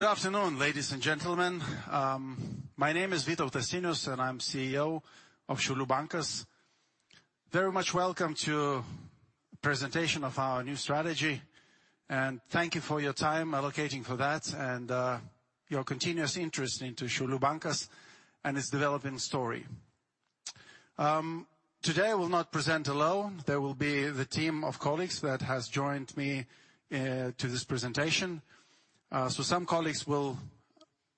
Good afternoon, ladies and gentlemen. My name is Vytautas Sinius, and I'm CEO of Šiaulių Bankas. Very much welcome to presentation of our new strategy, and thank you for your time allocating for that, and, your continuous interest into Šiaulių Bankas and its developing story. Today I will not present alone. There will be the team of colleagues that has joined me, to this presentation. Some colleagues will,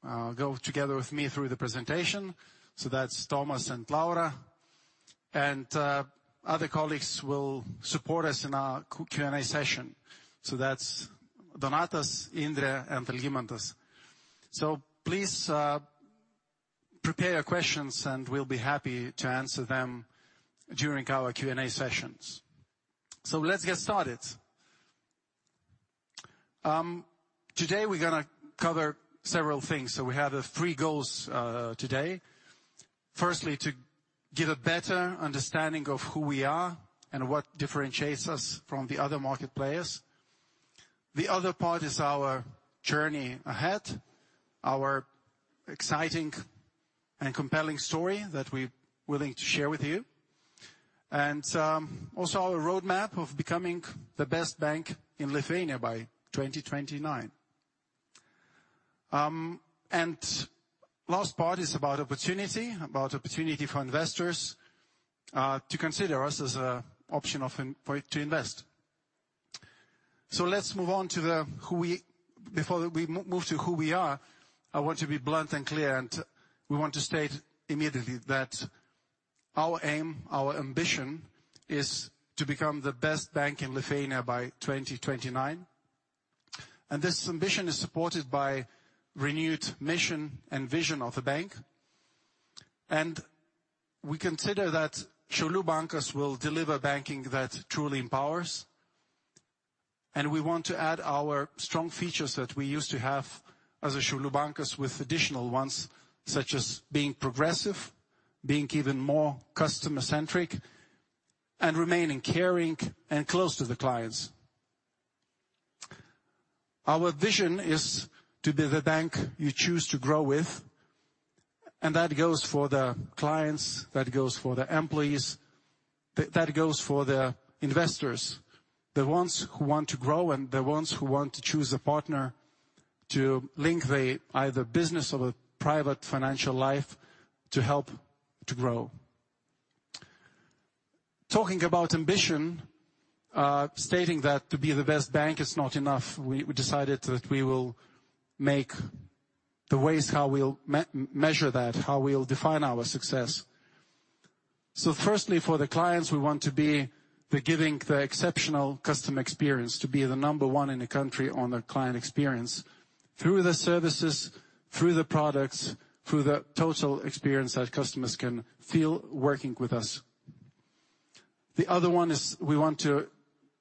go together with me through the presentation, so that's Tomas and Laura. Other colleagues will support us in our Q, Q&A session, so that's Donatas, Indrė, and Algimantas. Please, prepare your questions, and we'll be happy to answer them during our Q&A sessions. Let's get started. Today we're gonna cover several things, so we have, three goals, today. Firstly, to give a better understanding of who we are and what differentiates us from the other market players. The other part is our journey ahead, our exciting and compelling story that we're willing to share with you. And also our roadmap of becoming the best bank in Lithuania by 2029. And last part is about opportunity, about opportunity for investors, to consider us as a option of in... For to invest. So let's move on to the who we-- Before we move to who we are, I want to be blunt and clear, and we want to state immediately that our aim, our ambition, is to become the best bank in Lithuania by 2029. And this ambition is supported by renewed mission and vision of the bank. And we consider that Šiaulių Bankas will deliver banking that truly empowers, and we want to add our strong features that we used to have as a Šiaulių Bankas with additional ones, such as being progressive, being even more customer-centric, and remaining caring and close to the clients. Our vision is to be the bank you choose to grow with, and that goes for the clients, that goes for the employees, that goes for the investors, the ones who want to grow and the ones who want to choose a partner to link the either business or the private financial life to help to grow. Talking about ambition, stating that to be the best bank is not enough, we decided that we will make the ways how we'll measure that, how we'll define our success. So firstly, for the clients, we want to be the giving the exceptional customer experience, to be the number one in the country on the client experience, through the services, through the products, through the total experience that customers can feel working with us. The other one is we want to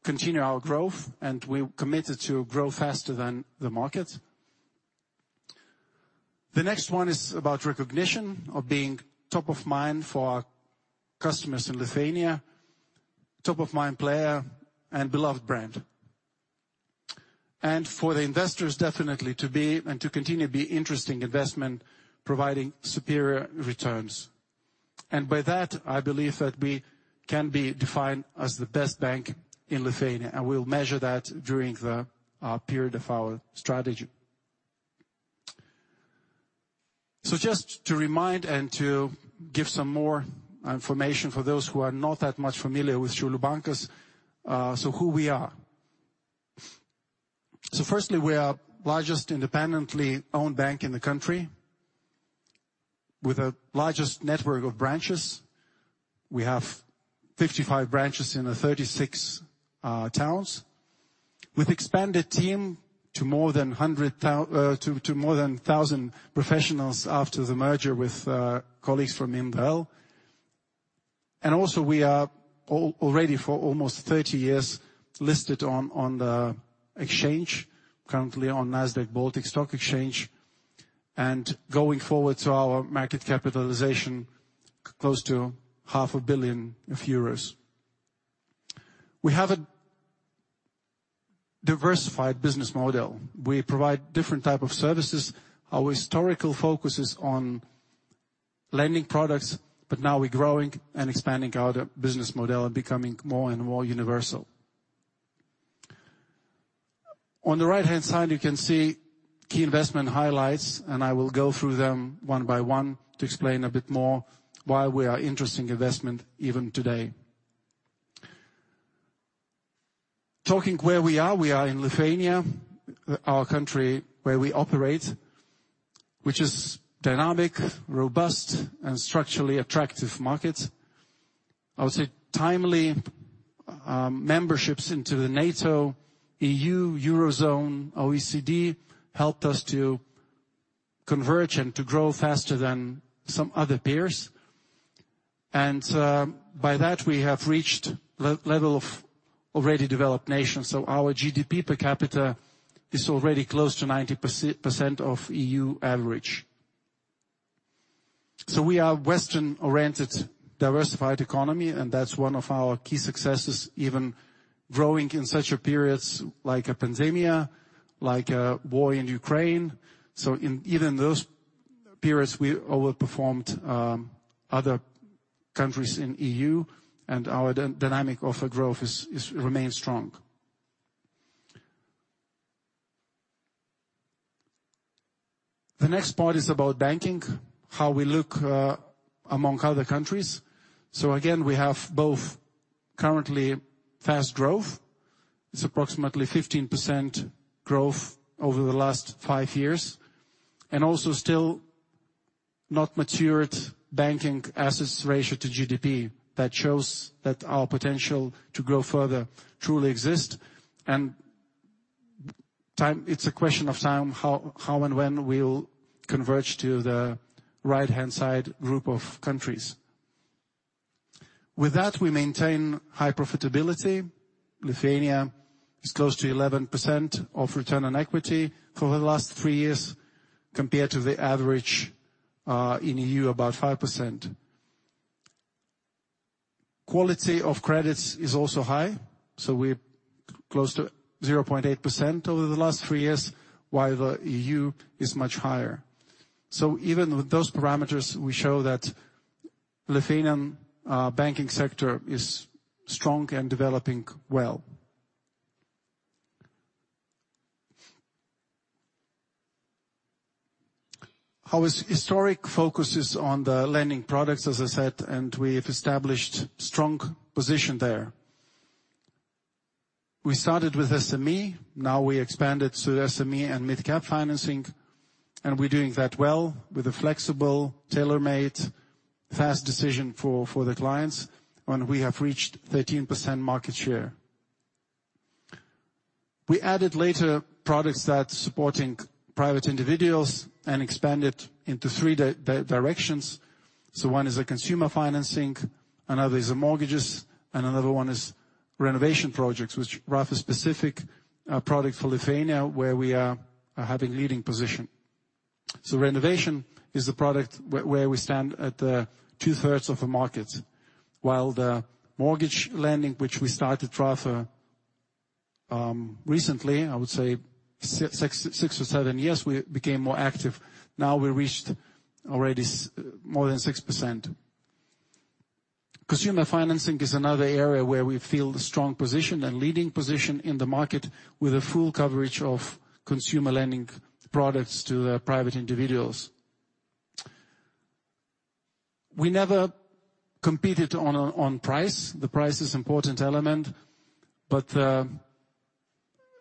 continue our growth, and we're committed to grow faster than the market. The next one is about recognition of being top of mind for our customers in Lithuania, top of mind player and beloved brand. And for the investors, definitely to be and to continue to be interesting investment, providing superior returns. And by that, I believe that we can be defined as the best bank in Lithuania, and we'll measure that during the period of our strategy. So just to remind and to give some more information for those who are not that much familiar with Šiaulių Bankas, so who we are. Firstly, we are largest independently owned bank in the country with the largest network of branches. We have 55 branches in the 36 towns, with expanded team to more than 1,000 professionals after the merger with colleagues from Invalda. And also, we are already, for almost 30 years, listed on the exchange, currently on Nasdaq Baltic stock exchange. And going forward, so our market capitalization, close to 500 million euros. We have a diversified business model. We provide different type of services. Our historical focus is on lending products, but now we're growing and expanding our business model and becoming more and more universal. On the right-hand side, you can see key investment highlights, and I will go through them one by one to explain a bit more why we are interesting investment even today. Talking where we are, we are in Lithuania, our country where we operate, which is dynamic, robust, and structurally attractive market. I would say timely memberships into the NATO, EU, Eurozone, OECD helped us to converge and to grow faster than some other peers. And by that, we have reached level of already developed nations, so our GDP per capita is already close to 90% of EU average. So we are Western-oriented, diversified economy, and that's one of our key successes, even growing in such a periods like a pandemic, like a war in Ukraine. So in even those periods, we overperformed other countries in EU, and our dynamic offer growth remains strong. The next part is about banking, how we look among other countries. So again, we have both currently fast growth. It's approximately 15% growth over the last five years, and also still not matured banking assets ratio to GDP. That shows that our potential to grow further truly exist, and time—it's a question of time, how and when we'll converge to the right-hand side group of countries. With that, we maintain high profitability. Lithuania is close to 11% of return on equity for the last three years, compared to the average in EU, about 5%. Quality of credits is also high, so we're close to 0.8% over the last three years, while the EU is much higher. So even with those parameters, we show that Lithuanian banking sector is strong and developing well. Our historic focus is on the lending products, as I said, and we have established strong position there. We started with SME, now we expanded to SME and mid-cap financing, and we're doing that well with a flexible, tailor-made, fast decision for the clients, and we have reached 13% market share. We added later products that supporting private individuals and expanded into three directions. So one is the consumer financing, another is the mortgages, and another one is renovation projects, which rather specific product for Lithuania, where we are having leading position. So renovation is the product where we stand at the two-thirds of the market, while the mortgage lending, which we started rather recently, I would say, six or seven years, we became more active, now we reached already more than 6%. Consumer financing is another area where we feel the strong position and leading position in the market, with a full coverage of consumer lending products to the private individuals. We never competed on price. The price is important element, but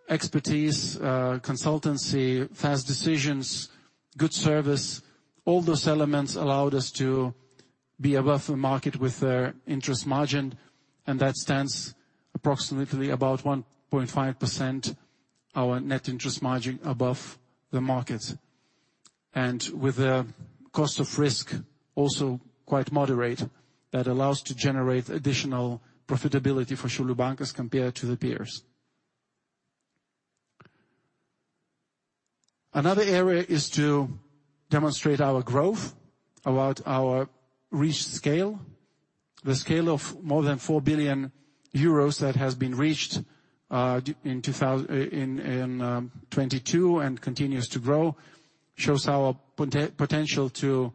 expertise, consultancy, fast decisions, good service, all those elements allowed us to be above the market with the interest margin, and that stands approximately about 1.5%, our net interest margin above the market. And with the cost of risk also quite moderate, that allows to generate additional profitability for Šiaulių Bankas compared to the peers. Another area is to demonstrate our growth about our reached scale. The scale of more than four billion euros that has been reached in 2022 and continues to grow shows our potential to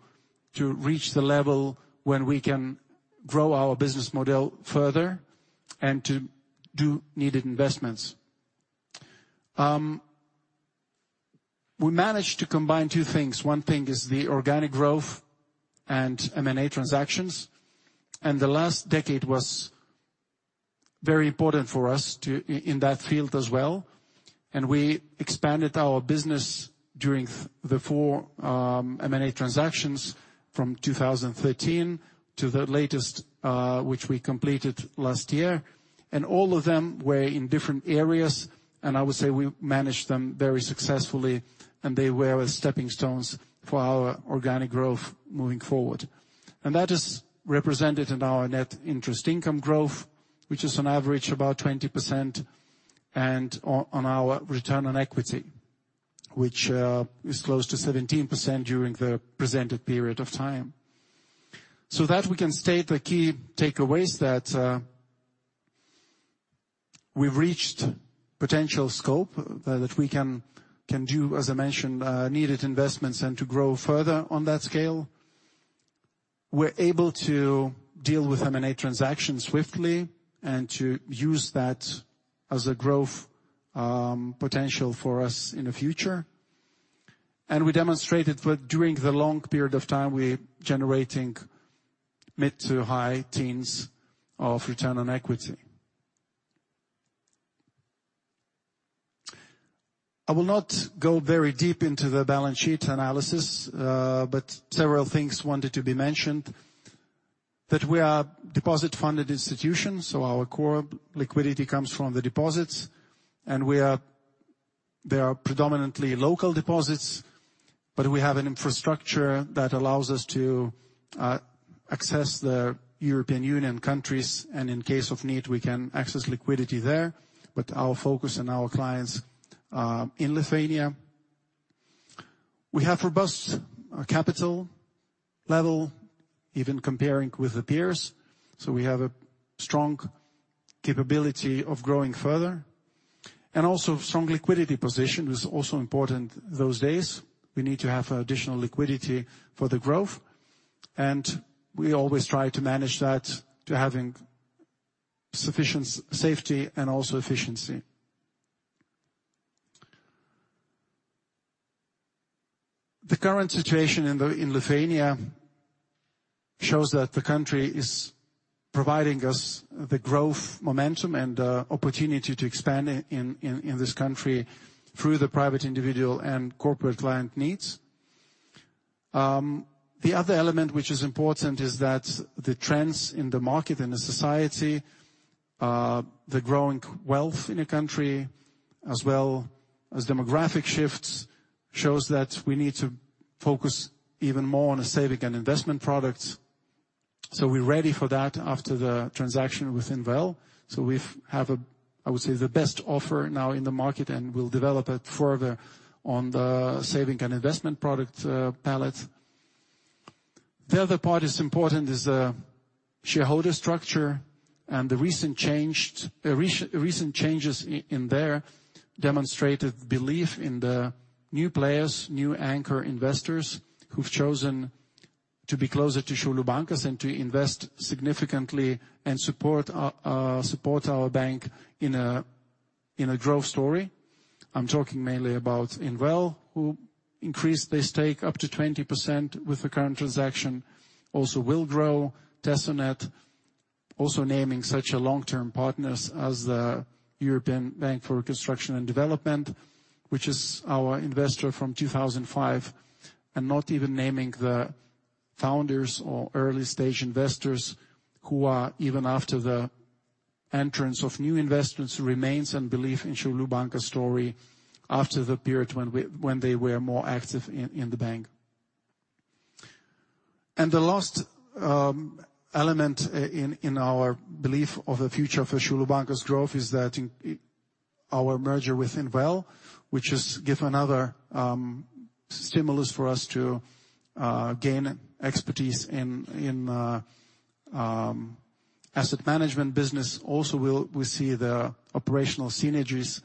reach the level when we can grow our business model further and to do needed investments. We managed to combine two things. One thing is the organic growth and M&A transactions, and the last decade was very important for us in that field as well. And we expanded our business during the four M&A transactions from 2013 to the latest which we completed last year. And all of them were in different areas, and I would say we managed them very successfully, and they were stepping stones for our organic growth moving forward. That is represented in our net interest income growth, which is on average about 20%, and on our return on equity, which is close to 17% during the presented period of time. So that we can state the key takeaways, that we've reached potential scope, that we can do, as I mentioned, needed investments and to grow further on that scale. We're able to deal with M&A transactions swiftly and to use that as a growth potential for us in the future. And we demonstrated that during the long period of time, we're generating mid to high teens of return on equity. I will not go very deep into the balance sheet analysis, but several things wanted to be mentioned. That we are deposit-funded institution, so our core liquidity comes from the deposits, and we are—they are predominantly local deposits, but we have an infrastructure that allows us to access the European Union countries, and in case of need, we can access liquidity there. But our focus and our clients are in Lithuania. We have robust capital level, even comparing with the peers, so we have a strong capability of growing further. And also strong liquidity position is also important those days. We need to have additional liquidity for the growth, and we always try to manage that to having sufficient safety and also efficiency. The current situation in Lithuania shows that the country is providing us the growth, momentum, and opportunity to expand in this country through the private, individual, and corporate client needs. The other element, which is important, is that the trends in the market, in the society, the growing wealth in a country, as well as demographic shifts, shows that we need to focus even more on the saving and investment products. So we're ready for that after the transaction with Invalda. So we've have a, I would say, the best offer now in the market, and we'll develop it further on the saving and investment product, palette. The other part is important is the shareholder structure and the recent changes in there demonstrated belief in the new players, new anchor investors, who've chosen to be closer to Šiaulių Bankas and to invest significantly and support our, our support our bank in a, in a growth story. I'm talking mainly about Invalda, who increased their stake up to 20% with the current transaction. Also, Willgrow, Tesonet, also naming such long-term partners as the European Bank for Reconstruction and Development, which is our investor from 2005, and not even naming the founders or early-stage investors, who are, even after the entrance of new investments, remain and believe in Šiaulių Bankas story after the period when we, when they were more active in the bank. And the last element in our belief of the future for Šiaulių Bankas growth is that our merger with Invalda, which has give another stimulus for us to gain expertise in asset management business. Also, we see the operational synergies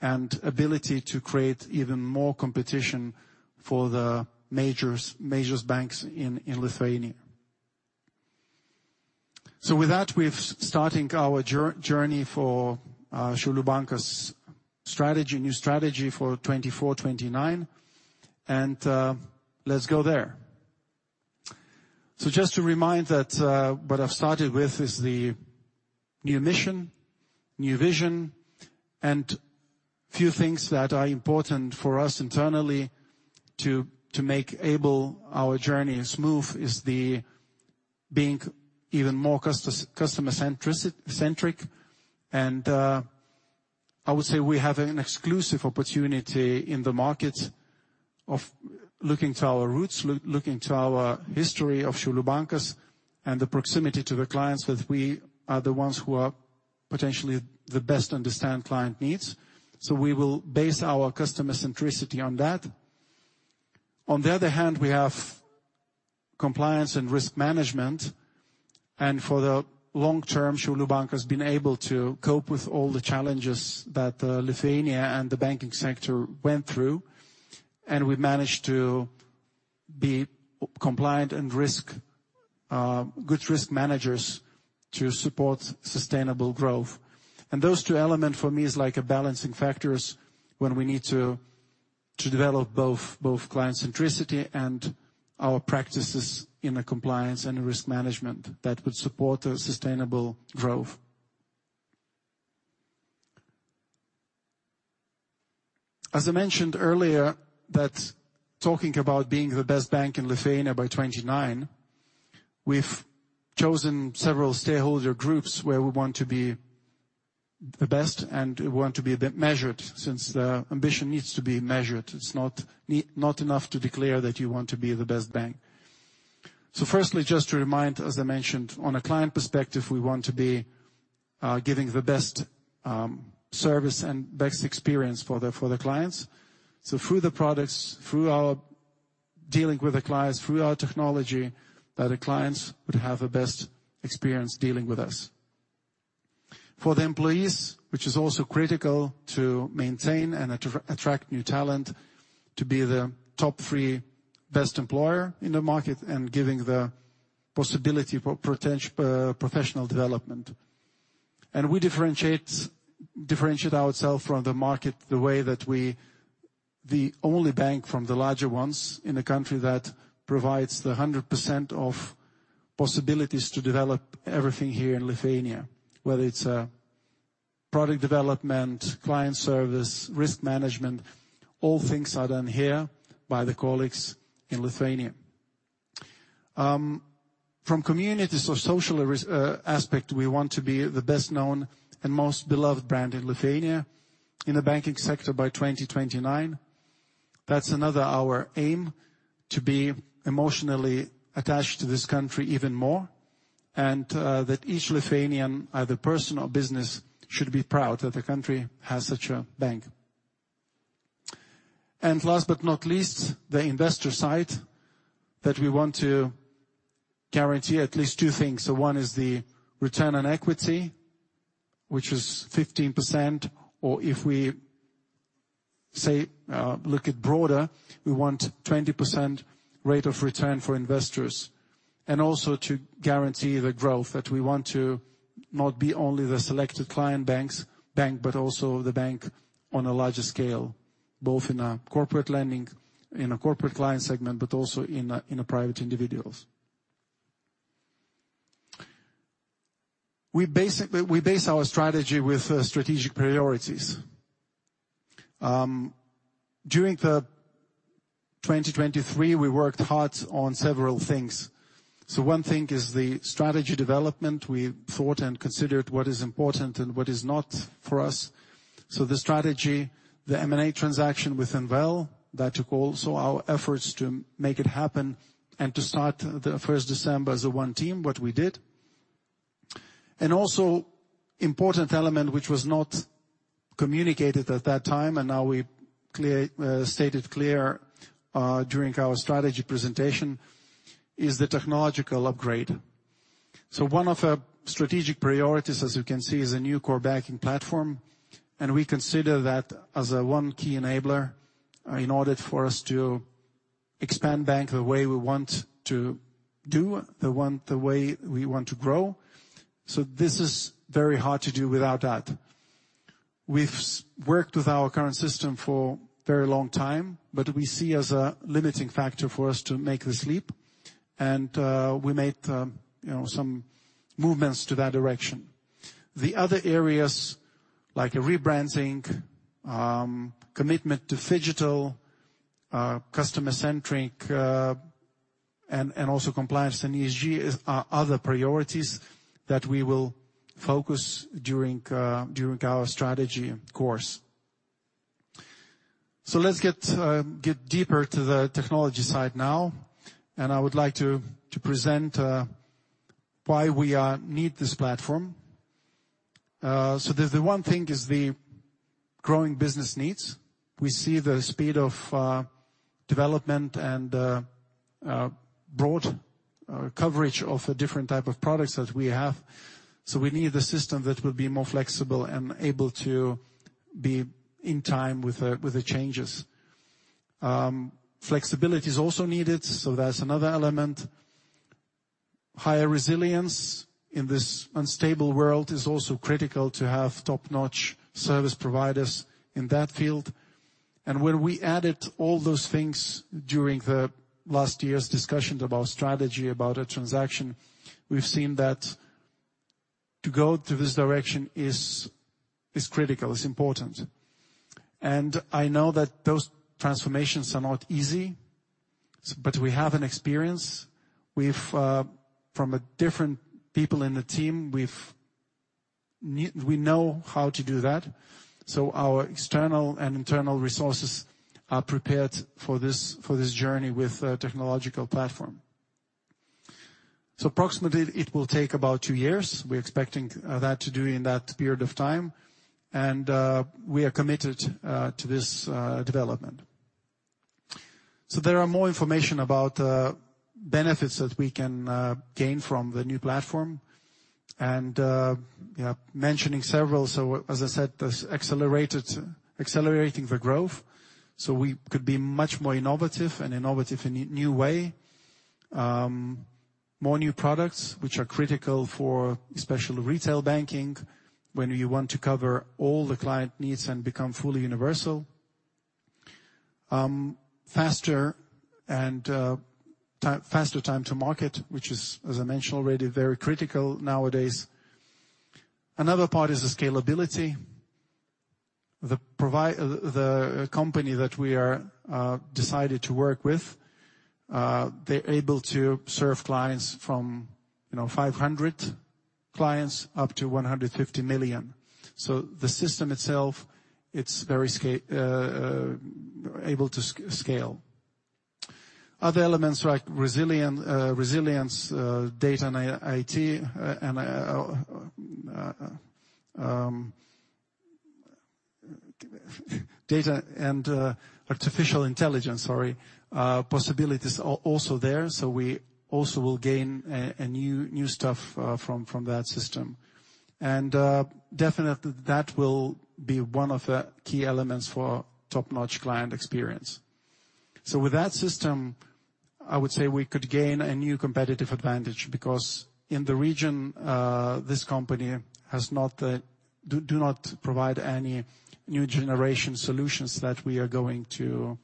and ability to create even more competition for the major banks in Lithuania. So with that, we've started our journey for Šiaulių Bankas strategy, new strategy for 2024-2029, and let's go there. Just to remind that what I've started with is the new mission, new vision, and few things that are important for us internally to make able our journey smooth is the being even more customer centric. And I would say we have an exclusive opportunity in the market of looking to our roots, looking to our history of Šiaulių Bankas, and the proximity to the clients, that we are the ones who are potentially the best understand client needs. So we will base our customer centricity on that. On the other hand, we have compliance and risk management, and for the long term, Šiaulių Bankas has been able to cope with all the challenges that, Lithuania and the banking sector went through, and we've managed to be compliant and risk, good risk managers to support sustainable growth. And those two element for me is like a balancing factors when we need to, to develop both, both client centricity and our practices in a compliance and risk management that would support a sustainable growth. As I mentioned earlier, that talking about being the best bank in Lithuania by 2029, we've chosen several stakeholder groups where we want to be the best, and we want to be a bit measured, since the ambition needs to be measured. It's not not enough to declare that you want to be the best bank. So firstly, just to remind, as I mentioned, on a client perspective, we want to be giving the best service and best experience for the clients. So through the products, through our dealing with the clients, through our technology, that the clients would have the best experience dealing with us. For the employees, which is also critical to maintain and attract new talent, to be the top three best employer in the market and giving the possibility for potential professional development. And we differentiate ourselves from the market, the way that we the only bank from the larger ones in the country that provides the 100% of possibilities to develop everything here in Lithuania. Whether it's a product development, client service, risk management, all things are done here by the colleagues in Lithuania. From communities or social aspect, we want to be the best-known and most beloved brand in Lithuania, in the banking sector by 2029. That's another our aim, to be emotionally attached to this country even more, and that each Lithuanian, either person or business, should be proud that the country has such a bank. And last but not least, the investor side, that we want to guarantee at least two things. So one is the return on equity, which is 15%, or if we say, look at broader, we want 20% rate of return for investors, and also to guarantee the growth that we want to not be only the selected client bank, but also the bank on a larger scale, both in a corporate lending, in a corporate client segment, but also in a private individuals. We basically, we base our strategy with strategic priorities. During 2023, we worked hard on several things. So one thing is the strategy development. We thought and considered what is important and what is not for us. So the strategy, the M&A transaction with Invalda, that took also our efforts to make it happen and to start the first December as a one team, what we did. And also important element, which was not communicated at that time, and now we clear state it clear during our strategy presentation, is the technological upgrade. So one of the strategic priorities, as you can see, is a new core banking platform, and we consider that as a one key enabler in order for us to expand bank the way we want to do, the way we want to grow. So this is very hard to do without that. We've worked with our current system for very long time, but we see as a limiting factor for us to make this leap, and we made you know some movements to that direction. The other areas, like a rebranding, commitment to Phygital, customer-centric, and also compliance and ESG, are other priorities that we will focus during our strategy course. So let's get deeper to the technology side now, and I would like to present why we need this platform. So the one thing is the growing business needs. We see the speed of development and broad coverage of the different type of products that we have, so we need a system that will be more flexible and able to be in time with the changes. Flexibility is also needed, so that's another element. Higher resilience in this unstable world is also critical to have top-notch service providers in that field. When we added all those things during the last year's discussions about strategy, about a transaction, we've seen that to go to this direction is critical, is important. I know that those transformations are not easy, but we have an experience. We've from a different people in the team, we know how to do that, so our external and internal resources are prepared for this journey with a technological platform. So approximately, it will take about two years. We're expecting that to do in that period of time, and we are committed to this development. So there are more information about benefits that we can gain from the new platform. And yeah, mentioning several, so as I said, this accelerating the growth, so we could be much more innovative and innovative in new way. More new products, which are critical for especially retail banking when you want to cover all the client needs and become fully universal. Faster time to market, which is, as I mentioned already, very critical nowadays. Another part is the scalability. The company that we are decided to work with, they're able to serve clients from, you know, 500 clients up to 150 million. So the system itself, it's very scalable. Other elements like resilience, data and IT, and artificial intelligence possibilities are also there, so we also will gain a new stuff from that system. And definitely, that will be one of the key elements for top-notch client experience. So with that system, I would say we could gain a new competitive advantage, because in the region, this company does not provide any new generation solutions that we are going to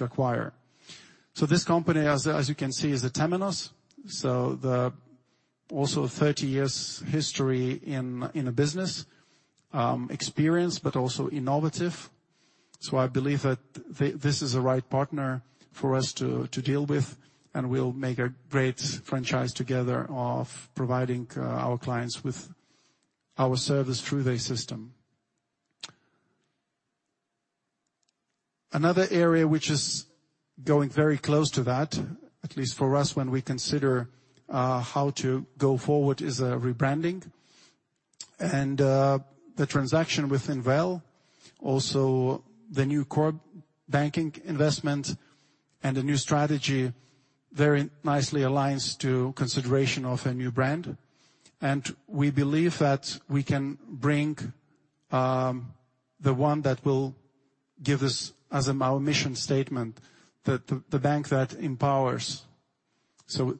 acquire. So this company, as you can see, is the Temenos. So the also 30 years history in a business experience, but also innovative. So I believe that this is the right partner for us to deal with, and we'll make a great franchise together of providing our clients with our service through their system. Another area which is going very close to that, at least for us, when we consider how to go forward, is rebranding. And the transaction with Invalda, also the new core banking investment and the new strategy very nicely aligns to consideration of a new brand. And we believe that we can bring the one that will give us as our mission statement, the bank that empowers. So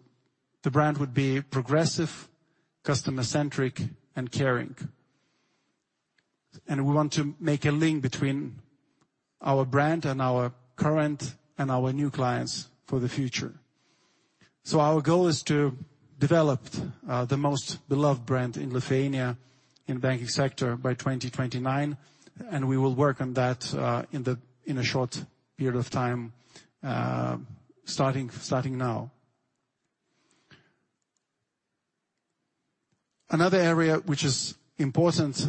the brand would be progressive, customer-centric, and caring. We want to make a link between our brand and our current and our new clients for the future. Our goal is to develop the most beloved brand in Lithuania in banking sector by 2029, and we will work on that in a short period of time, starting now. Another area which is important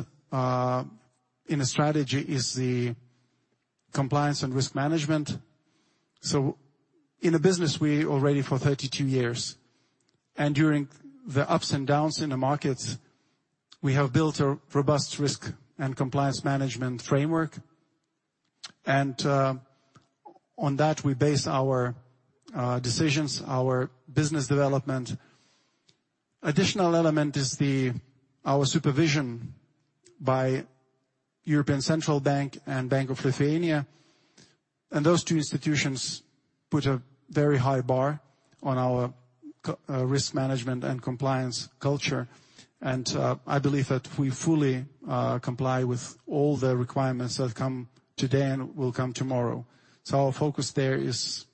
in a strategy is the compliance and risk management. In the business, we already for 32 years, and during the ups and downs in the markets, we have built a robust risk and compliance management framework. On that, we base our decisions, our business development. An additional element is our supervision by European Central Bank and Bank of Lithuania, and those two institutions put a very high bar on our risk management and compliance culture, and I believe that we fully comply with all the requirements that come today and will come tomorrow. So our focus there is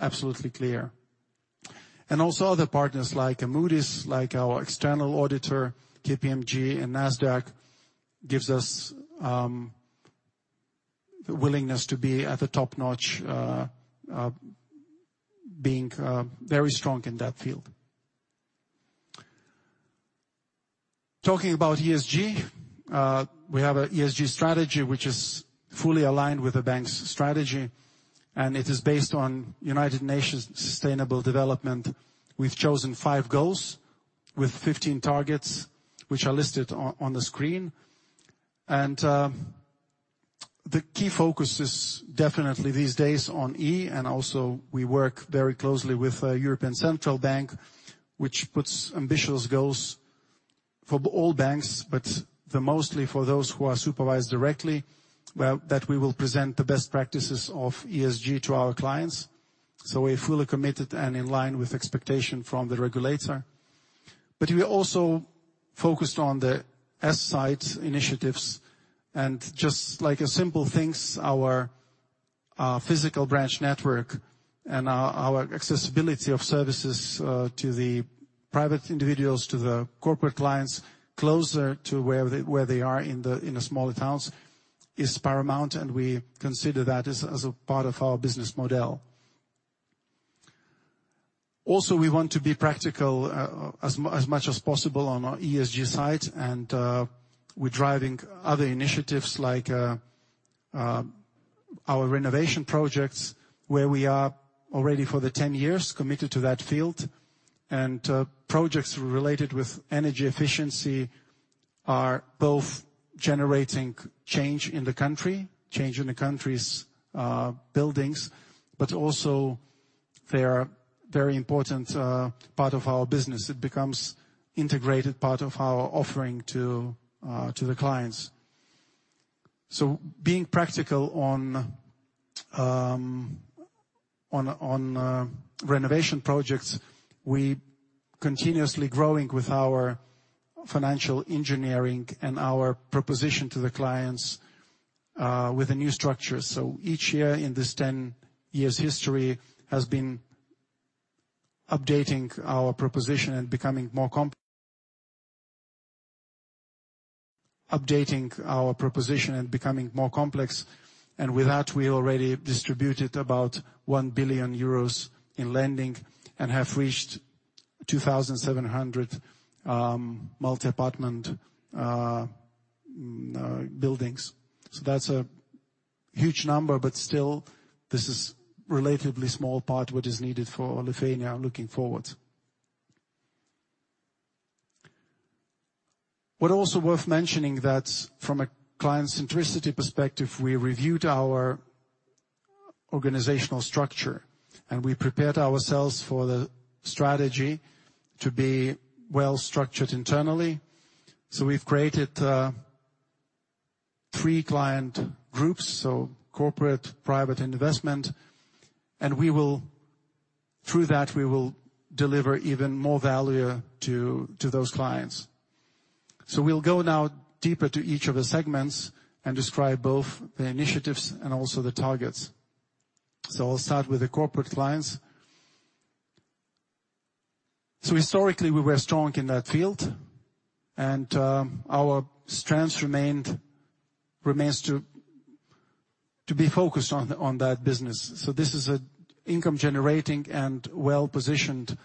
absolutely clear. Other partners like Moody's, like our external auditor, KPMG and Nasdaq gives us the willingness to be at the top-notch, being very strong in that field. Talking about ESG, we have a ESG strategy which is fully aligned with the bank's strategy, and it is based on United Nations sustainable development. We've chosen five goals with 15 targets, which are listed on the screen. The key focus is definitely these days on E, and also we work very closely with the European Central Bank, which puts ambitious goals for all banks, but mostly for those who are supervised directly. Well, that we will present the best practices of ESG to our clients. So we're fully committed and in line with expectation from the regulator. But we also focused on the S-side initiatives and just like a simple things, our physical branch network and our accessibility of services to the private individuals, to the corporate clients, closer to where they are in the smaller towns, is paramount, and we consider that as a part of our business model. Also, we want to be practical as much as possible on our ESG side, and we're driving other initiatives like our renovation projects where we are already for the 10 years committed to that field. Projects related with energy efficiency are both generating change in the country, change in the country's buildings, but also they are very important part of our business. It becomes integrated part of our offering to the clients. So being practical on renovation projects, we continuously growing with our financial engineering and our proposition to the clients with a new structure. So each year in this 10 years history has been updating our proposition and becoming more complex. And with that, we already distributed about 1 billion euros in lending and have reached 2,700 multi-apartment buildings. So that's a huge number, but still, this is relatively small part what is needed for Lithuania looking forward. But also worth mentioning that from a client centricity perspective, we reviewed our organizational structure, and we prepared ourselves for the strategy to be well structured internally. So we've created three client groups, so corporate, private, investment, and we will through that, we will deliver even more value to those clients. So we'll go now deeper to each of the segments and describe both the initiatives and also the targets. So I'll start with the corporate clients. So historically, we were strong in that field, and our strengths remain to be focused on that business. So this is a income generating and well-positioned,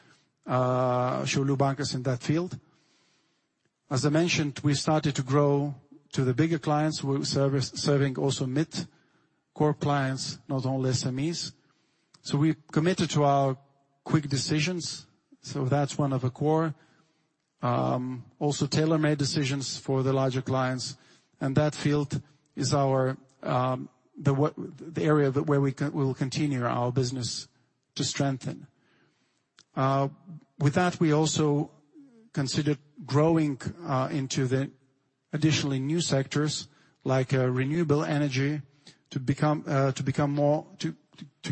Šiaulių Bankas in that field. As I mentioned, we started to grow to the bigger clients. We're serving also mid-cap clients, not only SMEs. So we've committed to our quick decisions, so that's one of the core. Also tailor-made decisions for the larger clients, and that field is our, the area that where we will continue our business to strengthen. With that, we also consider growing into the additionally new sectors, like, renewable energy, to become more, to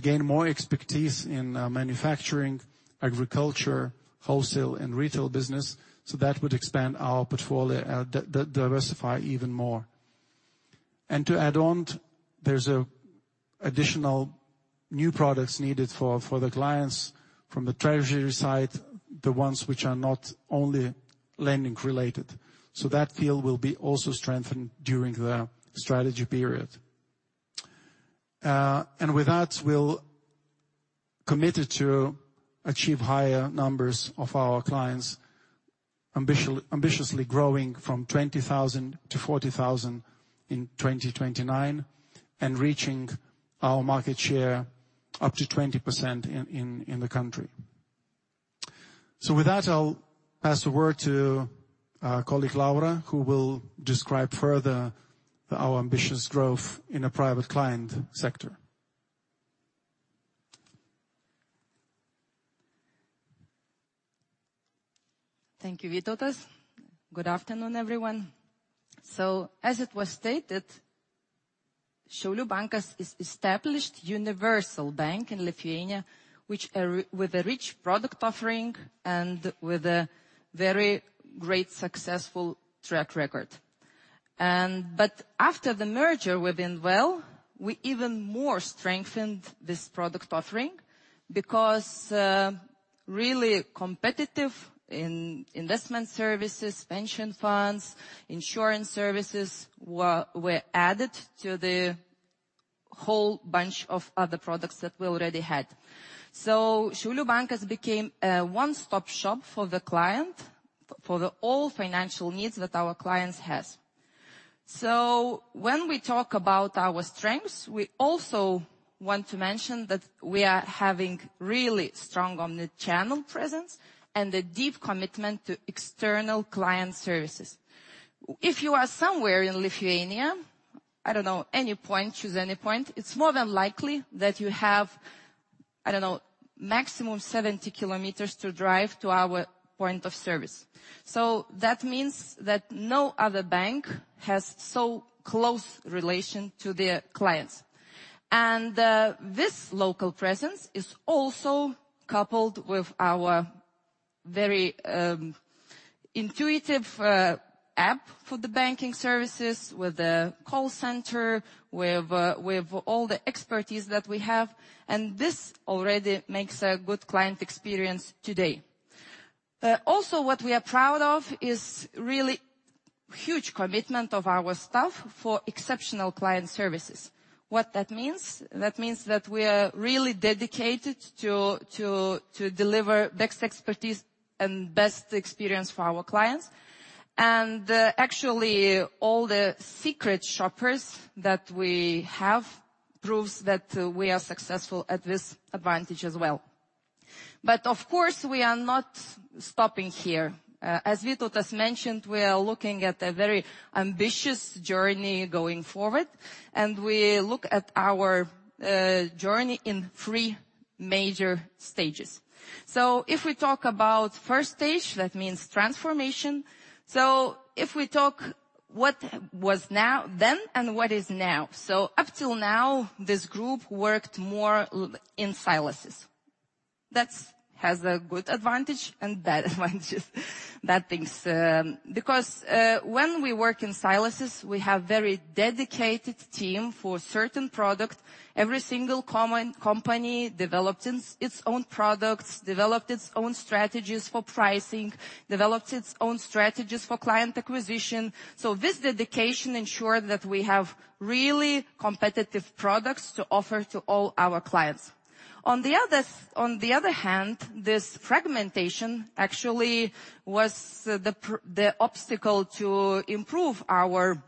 gain more expertise in, manufacturing, agriculture, wholesale, and retail business, so that would expand our portfolio, diversify even more. To add on, there's additional new products needed for the clients from the treasury side, the ones which are not only lending-related, so that field will be also strengthened during the strategy period. And with that, we're committed to achieve higher numbers of our clients, ambitiously growing from 20,000 to 40,000 in 2029, and reaching our market share up to 20% in the country. So with that, I'll pass the word to our colleague, Laura, who will describe further our ambitious growth in the private client sector. Thank you, Vytautas. Good afternoon, everyone. As it was stated, Šiaulių Bankas is established universal bank in Lithuania, which with a rich product offering and with a very great, successful track record. But after the merger with Invalda, we even more strengthened this product offering because really competitive in investment services, pension funds, insurance services were added to the whole bunch of other products that we already had. So Šiaulių Bankas became a one-stop shop for the client, for the all financial needs that our clients has. So when we talk about our strengths, we also want to mention that we are having really strong omni-channel presence and a deep commitment to external client services. If you are somewhere in Lithuania, I don't know, any point, choose any point, it's more than likely that you have, I don't know, maximum 70 km to drive to our point of service. So that means that no other bank has so close relation to their clients. And, this local presence is also coupled with our very, intuitive, app for the banking services, with a call center, with, with all the expertise that we have, and this already makes a good client experience today. Also, what we are proud of is really huge commitment of our staff for exceptional client services. What that means, that means that we are really dedicated to deliver best expertise and best experience for our clients. And, actually, all the secret shoppers that we have proves that, we are successful at this advantage as well. But of course, we are not stopping here. As Vytautas mentioned, we are looking at a very ambitious journey going forward, and we look at our journey in three major stages. If we talk about first stage, that means transformation. If we talk what was then and what is now, up till now, this group worked more like in silos. That has good advantages and bad advantages, bad things. Because when we work in silos, we have very dedicated team for certain product. Every single company developed its own products, developed its own strategies for pricing, developed its own strategies for client acquisition. This dedication ensures that we have really competitive products to offer to all our clients. On the other, on the other hand, this fragmentation actually was the obstacle to improve our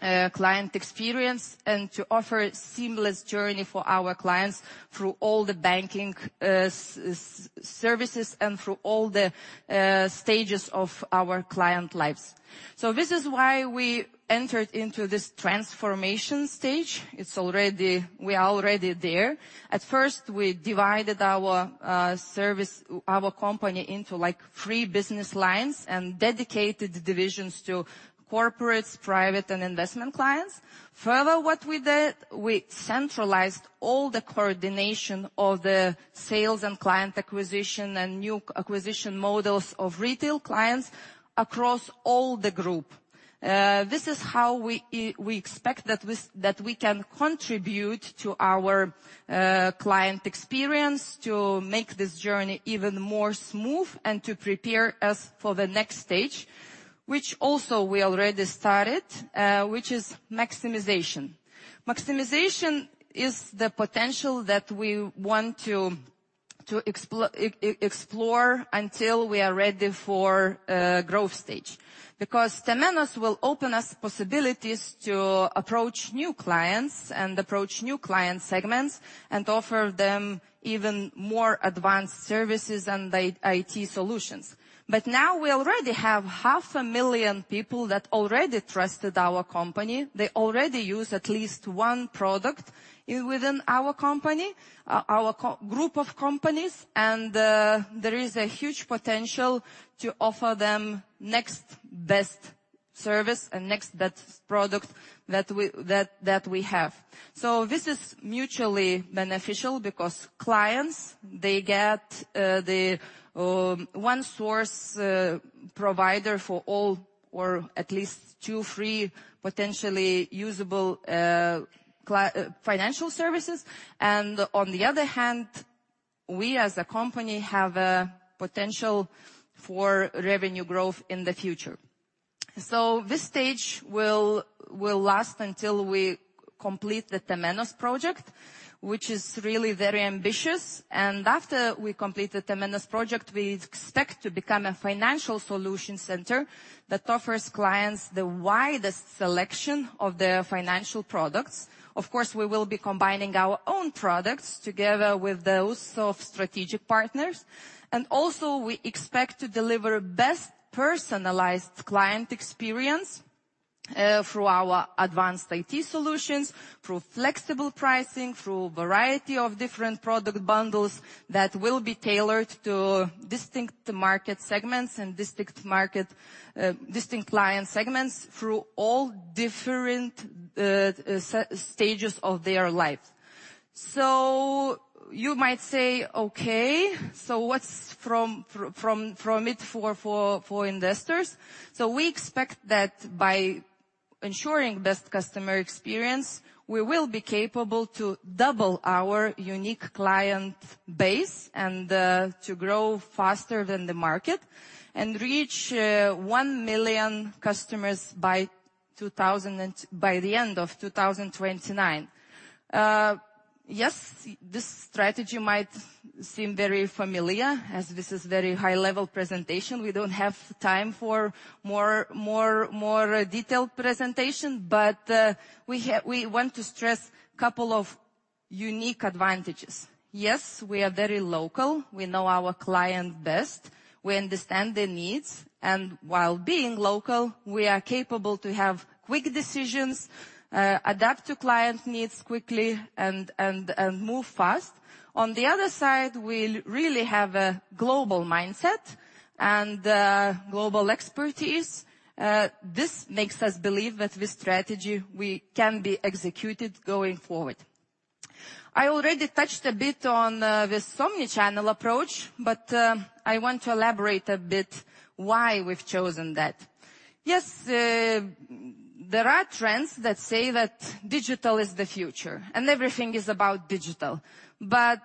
client experience and to offer seamless journey for our clients through all the banking services and through all the stages of our client lives. So this is why we entered into this transformation stage. It's already... We are already there. At first, we divided our service, our company into, like, three business lines and dedicated divisions to corporates, private, and investment clients. Further, what we did, we centralized all the coordination of the sales and client acquisition and new acquisition models of retail clients across all the group. This is how we expect that we can contribute to our client experience, to make this journey even more smooth and to prepare us for the next stage, which also we already started, which is maximization. Maximization is the potential that we want to explore until we are ready for a growth stage. Because Temenos will open us possibilities to approach new clients and approach new client segments, and offer them even more advanced services and IT solutions. But now we already have 500,000 people that already trusted our company. They already use at least one product within our company, our group of companies, and there is a huge potential to offer them next best service and next best product that we have. So this is mutually beneficial because clients, they get the one source provider for all, or at least two free, potentially usable financial services. And on the other hand, we as a company have a potential for revenue growth in the future. So this stage will last until we complete the Temenos project, which is really very ambitious, and after we complete the Temenos project, we expect to become a financial solution center that offers clients the widest selection of the financial products. Of course, we will be combining our own products together with those of strategic partners, and also we expect to deliver best personalized client experience through our advanced IT solutions, through flexible pricing, through a variety of different product bundles that will be tailored to distinct market segments and distinct client segments through all different stages of their life. So you might say, "Okay, so what's in it for investors?" So we expect that by ensuring best customer experience, we will be capable to double our unique client base, and to grow faster than the market, and reach 1 million customers by the end of 2029. Yes, this strategy might seem very familiar, as this is very high-level presentation. We don't have time for more, more, more, detailed presentation, but, we want to stress a couple of unique advantages. Yes, we are very local. We know our client best. We understand their needs, and while being local, we are capable to have quick decisions, adapt to client needs quickly, and move fast. On the other side, we really have a global mindset and global expertise. This makes us believe that this strategy can be executed going forward. I already touched a bit on this omni-channel approach, but I want to elaborate a bit why we've chosen that. Yes, there are trends that say that digital is the future, and everything is about digital, but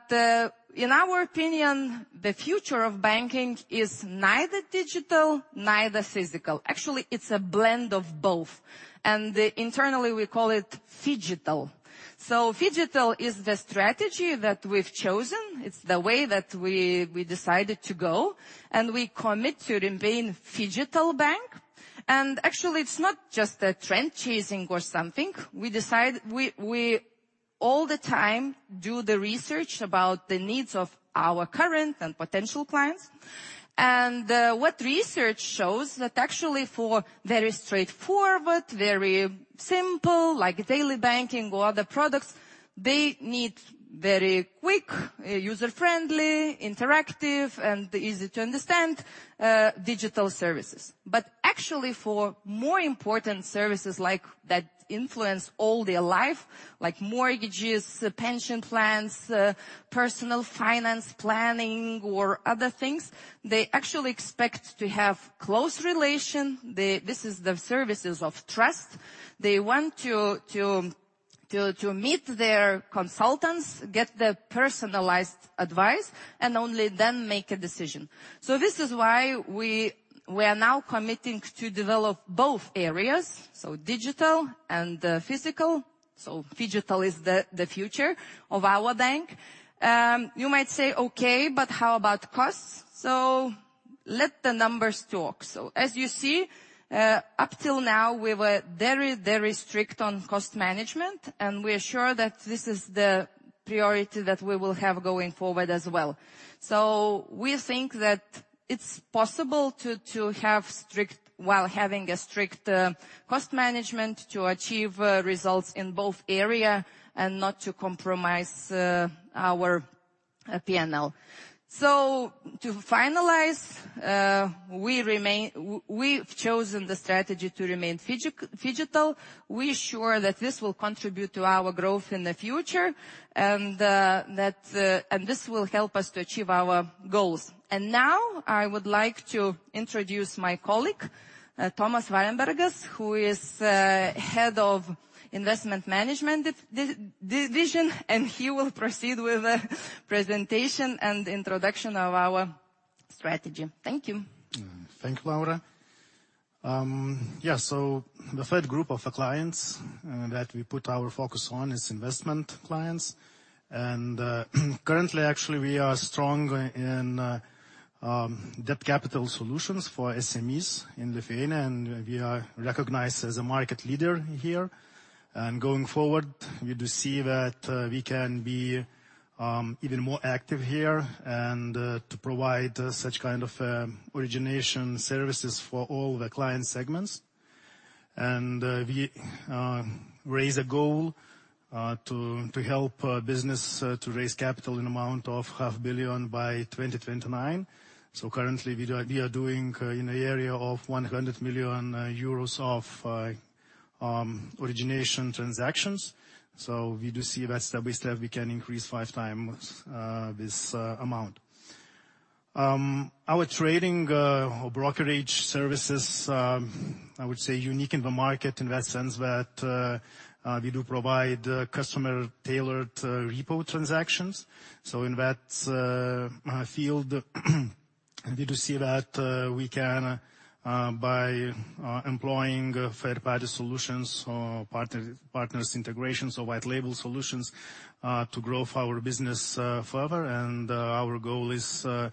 in our opinion, the future of banking is neither digital, neither physical. Actually, it's a blend of both, and internally, we call it phygital. So phygital is the strategy that we've chosen. It's the way that we decided to go, and we commit to remain phygital bank. And actually, it's not just a trend chasing or something. We all the time do the research about the needs of our current and potential clients. And what research shows that actually for very straightforward, very simple, like daily banking or other products, they need very quick, user-friendly, interactive, and easy-to-understand digital services. But actually, for more important services, like that influence all their life, like mortgages, pension plans, personal finance planning, or other things, they actually expect to have close relation. This is the services of trust. They want to meet their consultants, get the personalized advice, and only then make a decision. So this is why we are now committing to develop both areas, so digital and physical. So phygital is the future of our bank. You might say, "Okay, but how about costs?" So let the numbers talk. So as you see, up till now, we were very, very strict on cost management, and we are sure that this is the priority that we will have going forward as well. So we think that it's possible to have strict, while having a strict cost management, to achieve results in both area and not to compromise our P&L. So to finalize, we've chosen the strategy to remain phygital. We're sure that this will contribute to our growth in the future, and this will help us to achieve our goals. And now, I would like to introduce my colleague, Tomas Varenbergas, who is Head of Investment Management Division, and he will proceed with the presentation and introduction of our strategy. Thank you. Thank you, Laura.... Yeah, so the third group of clients that we put our focus on is investment clients. Currently, actually, we are strong in debt capital solutions for SMEs in Lithuania, and we are recognized as a market leader here. Going forward, we do see that we can be even more active here and to provide such kind of origination services for all the client segments. We raise a goal to help business to raise capital in the amount of 500 million by 2029. So currently, we are doing in the area of 100 million euros of origination transactions. So we do see that step by step, we can increase five times this amount. Our trading or brokerage services, I would say, unique in the market in that sense that we do provide customer-tailored repo transactions. So in that field, we do see that we can by employing third-party solutions or partners integrations or white label solutions to grow our business further. And our goal is to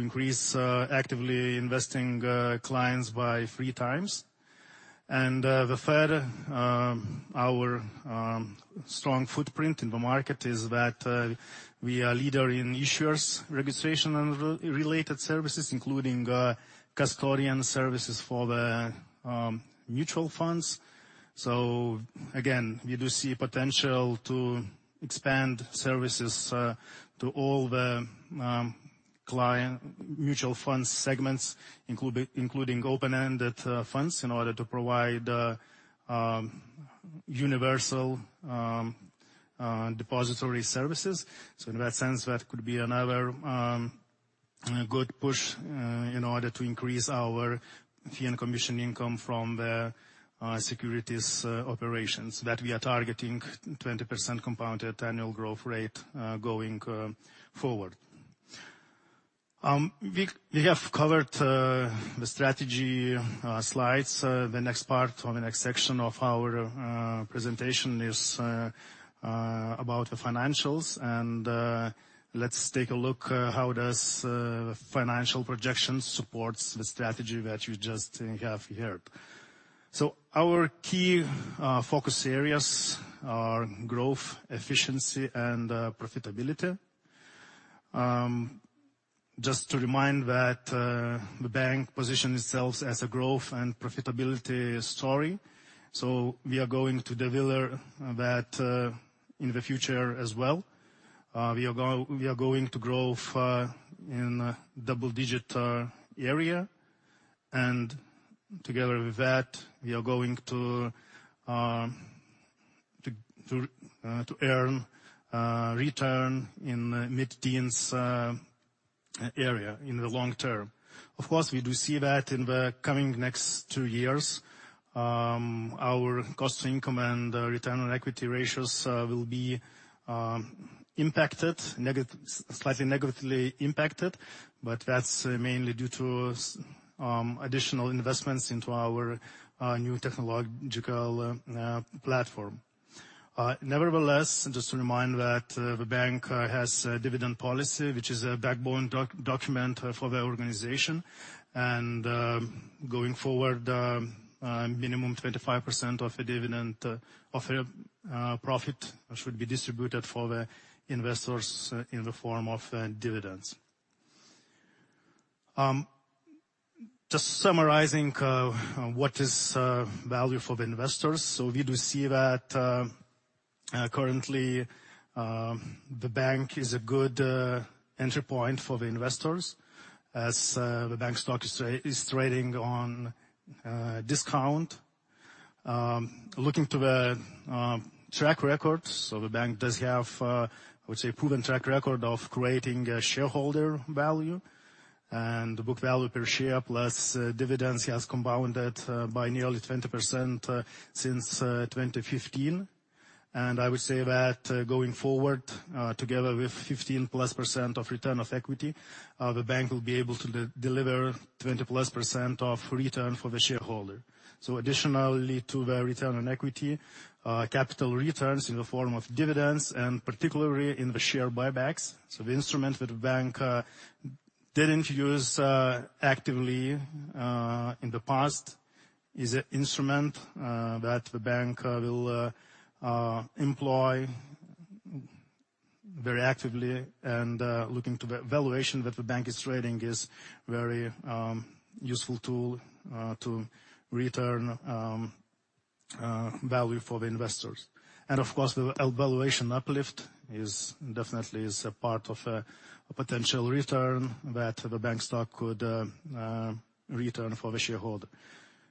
increase actively investing clients by three times. And the third, our strong footprint in the market is that we are leader in issuers registration and related services, including custodian services for the mutual funds. So again, we do see potential to expand services to all the client mutual fund segments, including open-ended funds, in order to provide universal depository services. So in that sense, that could be another good push in order to increase our fee and commission income from the securities operations that we are targeting 20% compounded annual growth rate going forward. We have covered the strategy slides. The next part or the next section of our presentation is about the financials. And let's take a look how does financial projections supports the strategy that you just have heard. So our key focus areas are growth, efficiency, and profitability. Just to remind that the bank positions itself as a growth and profitability story, so we are going to deliver that in the future as well. We are going to grow in double-digit area, and together with that, we are going to earn return in mid-teens area in the long term. Of course, we do see that in the coming next two years, our cost to income and return on equity ratios will be slightly negatively impacted, but that's mainly due to additional investments into our new technological platform. Nevertheless, just to remind that the bank has a dividend policy, which is a backbone document for the organization. Going forward, minimum 25% of the dividend of profit should be distributed for the investors in the form of dividends. Just summarizing what is value for the investors. So we do see that currently the bank is a good entry point for the investors as the bank stock is trading on discount. Looking to the track record, so the bank does have, I would say, a proven track record of creating shareholder value. And the book value per share, plus dividends, has compounded by nearly 20% since 2015. And I would say that going forward together with 15%+ return on equity the bank will be able to deliver 20%+ return for the shareholder. So additionally to the return on equity, capital returns in the form of dividends and particularly in the share buybacks. So the instrument that the bank didn't use actively in the past is an instrument that the bank will employ very actively. And looking to the valuation that the bank is trading is very useful tool to return value for the investors. And of course, the valuation uplift is definitely is a part of a potential return that the bank stock could return for the shareholder.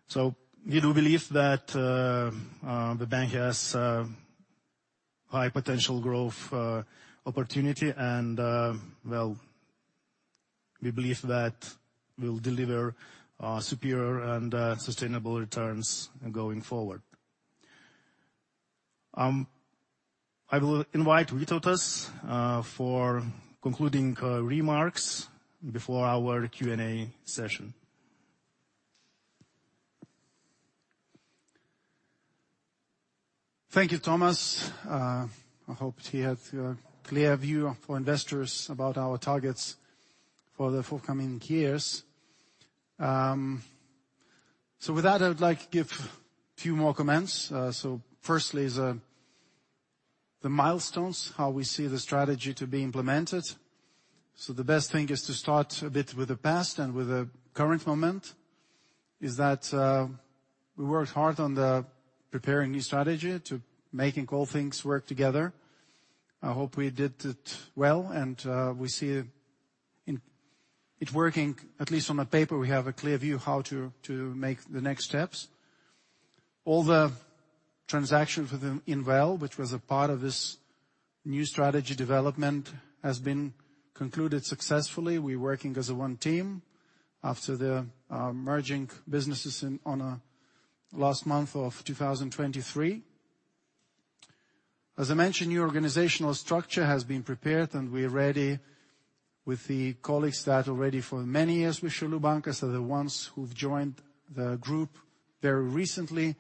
So we do believe that the bank has high potential growth opportunity. And well, we believe that we'll deliver superior and sustainable returns going forward. I will invite Vytautas for concluding remarks before our Q&A session. Thank you, Tomas. I hope he had a clear view for investors about our targets for the forthcoming years. So with that, I would like to give few more comments. So firstly is the milestones, how we see the strategy to be implemented. So the best thing is to start a bit with the past and with the current moment, we worked hard on the preparing new strategy to making all things work together. I hope we did it well, and we see it, it working. At least on the paper, we have a clear view how to make the next steps. All the transactions with Invalda, which was a part of this new strategy development, has been concluded successfully. We're working as a one team after the merging businesses in on last month of 2023. As I mentioned, new organizational structure has been prepared, and we're ready with the colleagues that already for many years with Šiaulių Bankas and the ones who've joined the group very recently.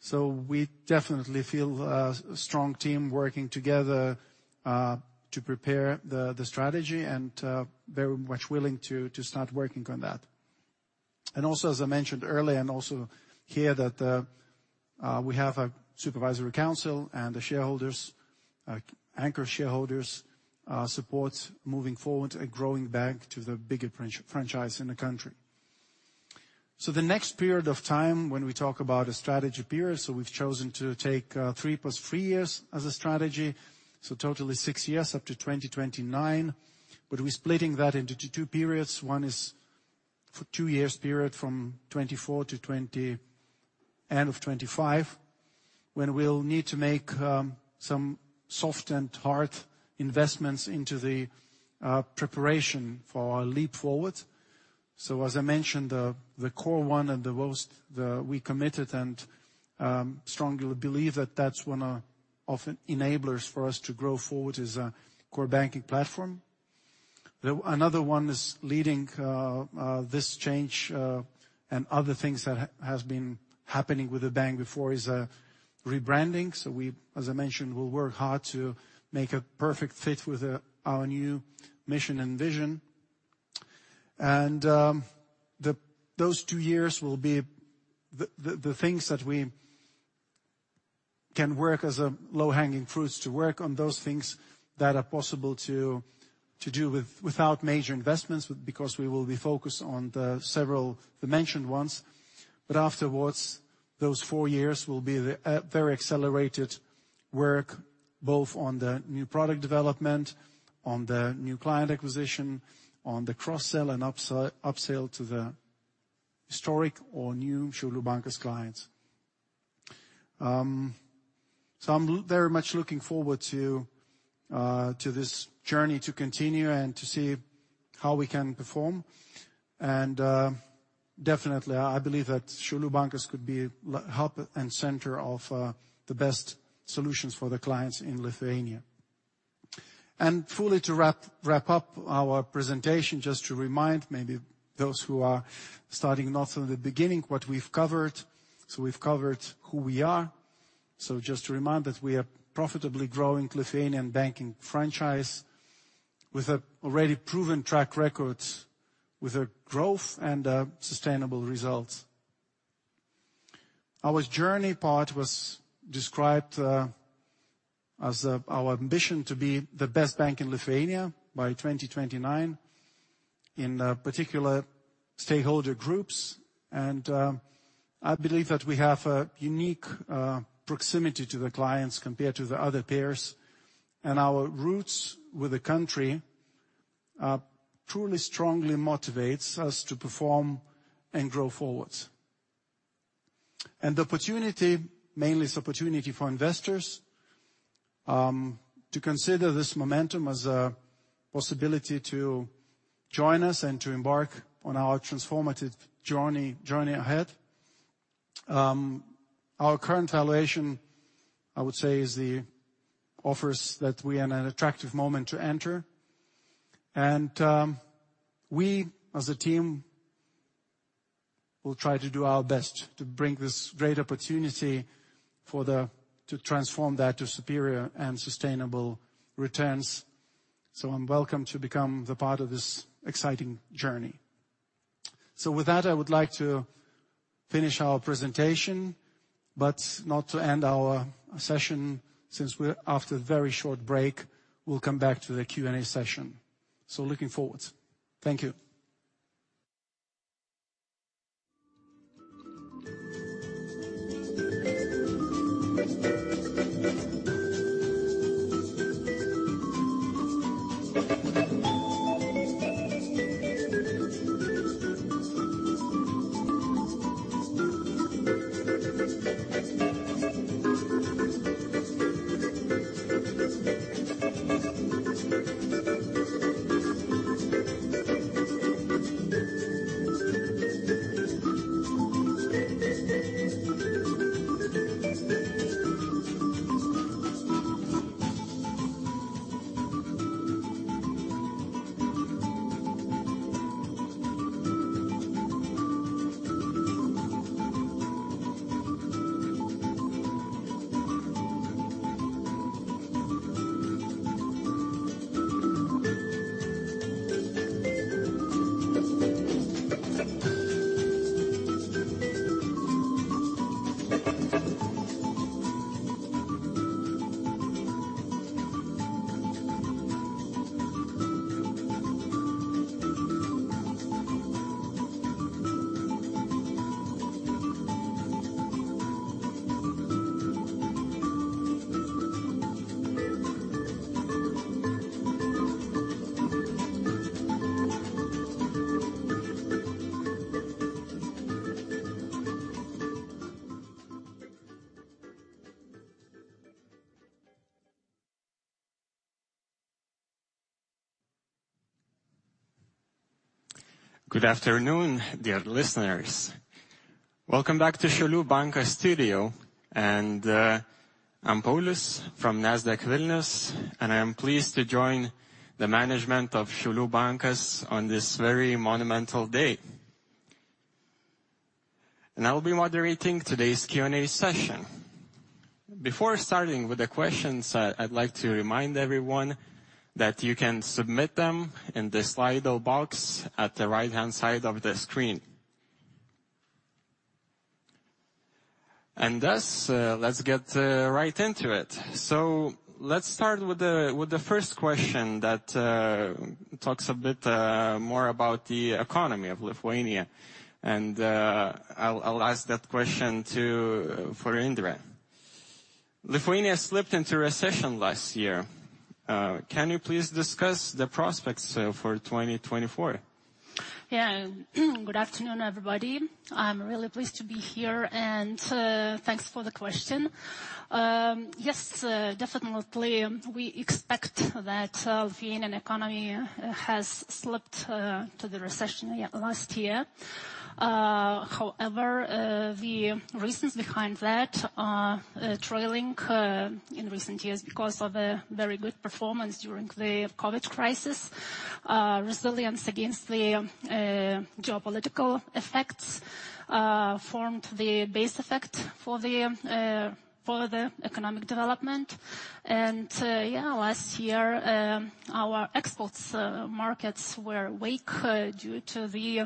So we definitely feel, strong team working together, to prepare the, the strategy and, very much willing to, to start working on that. And also, as I mentioned earlier and also here, that, we have a supervisory council and the shareholders, anchor shareholders, support moving forward a growing bank to the bigger franchise in the country. So the next period of time, when we talk about a strategy period, so we've chosen to take, 3 + 3 years as a strategy, so totally six years up to 2029. But we're splitting that into two periods. One is for two years period, from 2024 to 20... end of 2025, when we'll need to make some soft and hard investments into the preparation for our leap forward. So, as I mentioned, the core one and the most we committed and strongly believe that that's one of enablers for us to grow forward, is a core banking platform. Another one is leading this change and other things that has been happening with the bank before is rebranding. So we, as I mentioned, will work hard to make a perfect fit with our new mission and vision. And those two years will be the things that we can work as low-hanging fruits, to work on those things that are possible to do without major investments, because we will be focused on the several mentioned ones. But afterwards, those four years will be the very accelerated work, both on the new product development, on the new client acquisition, on the cross-sell and upsell to the historic or new Šiaulių Bankas clients. So I'm very much looking forward to this journey to continue and to see how we can perform, and definitely, I believe that Šiaulių Bankas could be hub and center of the best solutions for the clients in Lithuania. And fully to wrap up our presentation, just to remind maybe those who are starting not from the beginning, what we've covered. So we've covered who we are. So just to remind that we are profitably growing Lithuanian banking franchise with a already proven track record with a growth and sustainable results. Our journey part was described as our ambition to be the best bank in Lithuania by 2029, in particular stakeholder groups. I believe that we have a unique proximity to the clients compared to the other peers, and our roots with the country truly strongly motivates us to perform and grow forwards. The opportunity mainly is opportunity for investors to consider this momentum as a possibility to join us and to embark on our transformative journey, journey ahead. Our current valuation, I would say, is the offers that we are in an attractive moment to enter, and we, as a team, will try to do our best to bring this great opportunity to transform that to superior and sustainable returns. So I'm welcome to become the part of this exciting journey. So with that, I would like to finish our presentation, but not to end our session, since we're after a very short break, we'll come back to the Q&A session. So looking forward. Thank you. Good afternoon, dear listeners. Welcome back to Šiaulių Bankas Studio, and I'm Paulius from Nasdaq Vilnius, and I am pleased to join the management of Šiaulių Bankas on this very monumental day. I'll be moderating today's Q&A session. Before starting with the questions, I'd like to remind everyone that you can submit them in the Slido box at the right-hand side of the screen. Thus, let's get right into it. Let's start with the first question that talks a bit more about the economy of Lithuania, and I'll ask that question to Indrė. Lithuania slipped into recession last year. Can you please discuss the prospects for 2024? Yeah. Good afternoon, everybody. I'm really pleased to be here, and, thanks for the question. Yes, definitely, we expect that, being an economy has slipped, to the recession last year. However, the reasons behind that are, trailing, in recent years because of a very good performance during the COVID crisis. Resilience against the, geopolitical effects, formed the base effect for the, for the economic development. And, yeah, last year, our exports, markets were weak, due to the,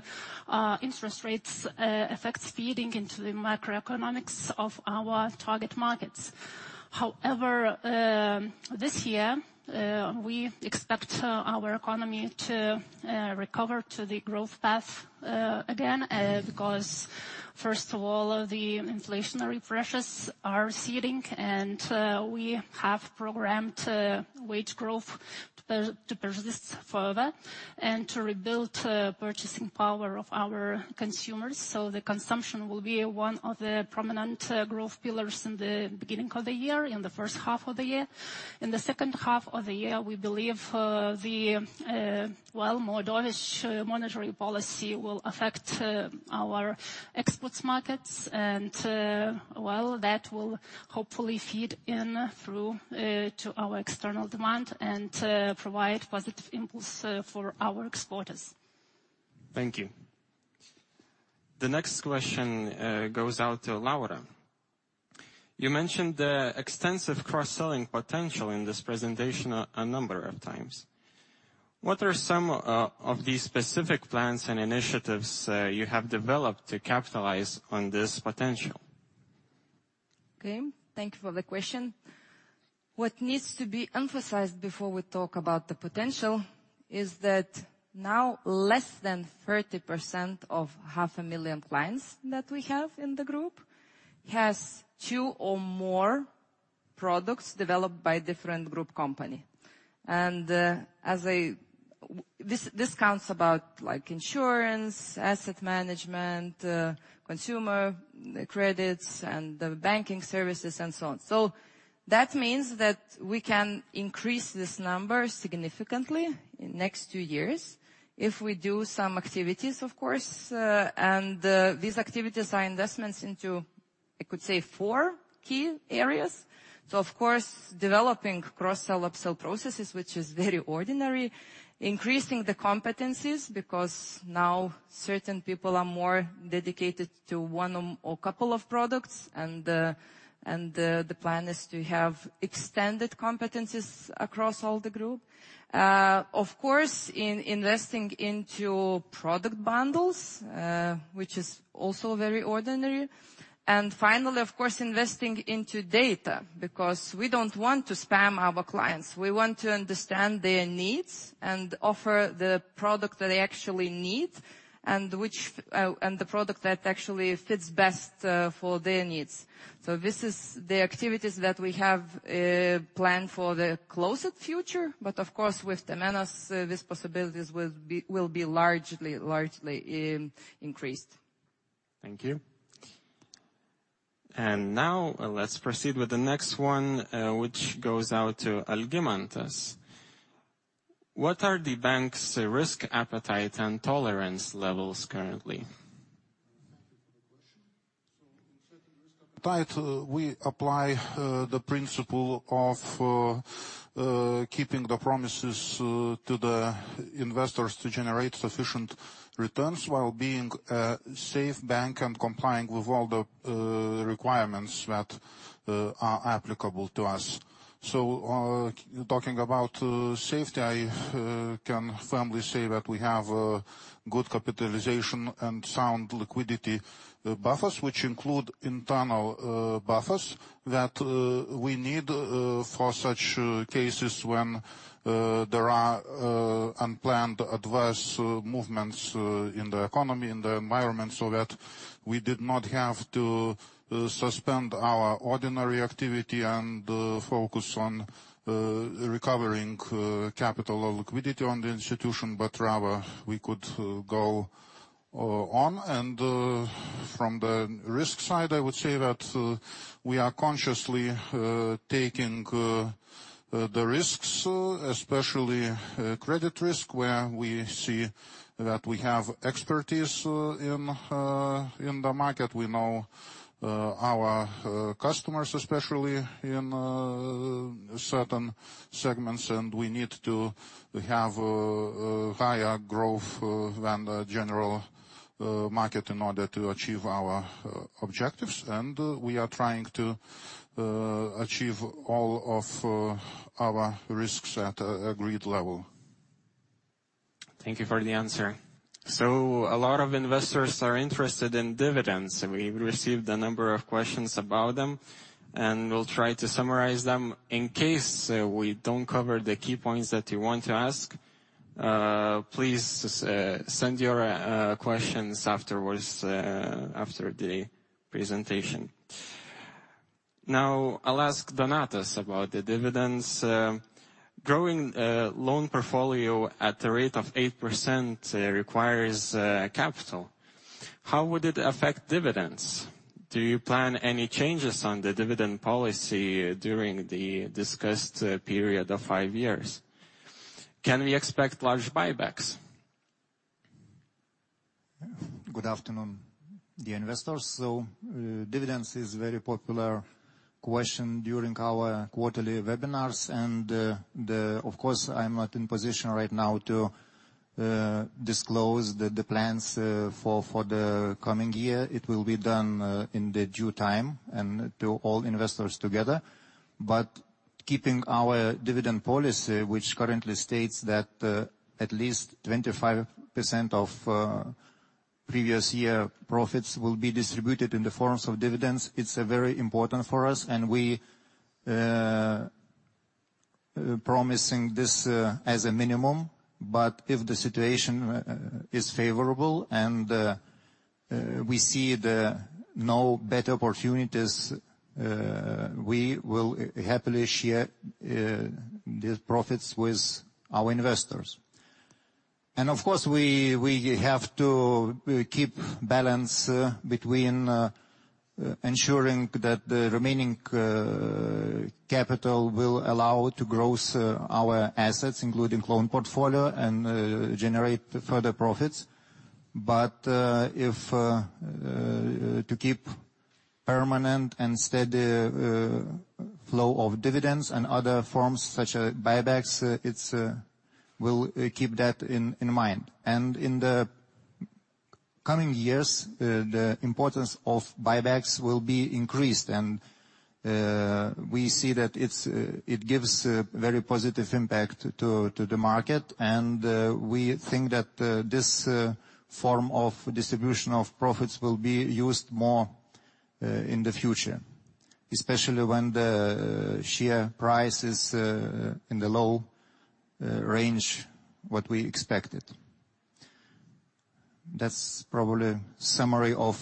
interest rates, effects feeding into the macroeconomics of our target markets. However, this year, we expect our economy to recover to the growth path again because, first of all, the inflationary pressures are easing, and we have programmed wage growth to persist further and to rebuild purchasing power of our consumers. So the consumption will be one of the prominent growth pillars in the beginning of the year, in the H1 of the year. In the H2 of the year, we believe, well, the more dovish monetary policy will affect our export markets and, well, that will hopefully feed in through to our external demand and provide positive impulse for our exporters. Thank you. The next question goes out to Laura. You mentioned the extensive cross-selling potential in this presentation a number of times. What are some of the specific plans and initiatives you have developed to capitalize on this potential? Okay, thank you for the question. What needs to be emphasized before we talk about the potential is that now less than 30% of 500,000 clients that we have in the group has two or more products developed by a different group company. And this accounts for about, like, insurance, asset management, consumer credits, and the banking services, and so on. So that means that we can increase this number significantly in next 2 years if we do some activities, of course. And these activities are investments into, I could say, four key areas. So of course, developing cross-sell, up-sell processes, which is very ordinary. Increasing the competencies, because now certain people are more dedicated to one or couple of products, and the plan is to have extended competencies across all the group. Of course, in investing into product bundles, which is also very ordinary. Finally, of course, investing into data, because we don't want to spam our clients. We want to understand their needs and offer the product that they actually need, and which, and the product that actually fits best, for their needs. So this is the activities that we have planned for the closer future, but of course, with Temenos, these possibilities will be, will be largely, largely, increased. Thank you. And now, let's proceed with the next one, which goes out to Algimantas. What are the bank's risk appetite and tolerance levels currently? Thank you for the question. So in certain risk appetite, we apply the principle of keeping the promises to the investors to generate sufficient returns while being a safe bank and complying with all the requirements that are applicable to us. So, talking about safety, I can firmly say that we have a good capitalization and sound liquidity buffers, which include internal buffers that we need for such cases when there are unplanned adverse movements in the economy, in the environment, so that we did not have to suspend our ordinary activity and focus on recovering capital or liquidity on the institution, but rather we could go on. From the risk side, I would say that we are consciously taking the risks, especially credit risk, where we see that we have expertise in the market. We know our customers, especially in certain segments, and we need to have higher growth than the general market in order to achieve our objectives. We are trying to achieve all of our risks at agreed level. Thank you for the answer. So a lot of investors are interested in dividends, and we've received a number of questions about them, and we'll try to summarize them. In case we don't cover the key points that you want to ask, please send your questions afterwards after the presentation. Now, I'll ask Donatas about the dividends. Growing loan portfolio at the rate of 8% requires capital. How would it affect dividends? Do you plan any changes on the dividend policy during the discussed period of five years? Can we expect large buybacks? Good afternoon, dear investors. Dividends is very popular question during our quarterly webinars, and, Of course, I'm not in position right now to disclose the plans for the coming year. It will be done in the due time and to all investors together. But keeping our dividend policy, which currently states that at least 25% of previous year profits will be distributed in the forms of dividends, it's very important for us, and we promising this as a minimum. But if the situation is favorable and we see no better opportunities, we will happily share the profits with our investors. Of course, we have to keep balance between ensuring that the remaining capital will allow to grow our assets, including loan portfolio and generate further profits. But if to keep permanent and steady flow of dividends and other forms, such as buybacks, it's we'll keep that in mind. And in the coming years, the importance of buybacks will be increased, and we see that it's it gives a very positive impact to the market. And we think that this form of distribution of profits will be used more in the future, especially when the share price is in the low range what we expected. That's probably summary of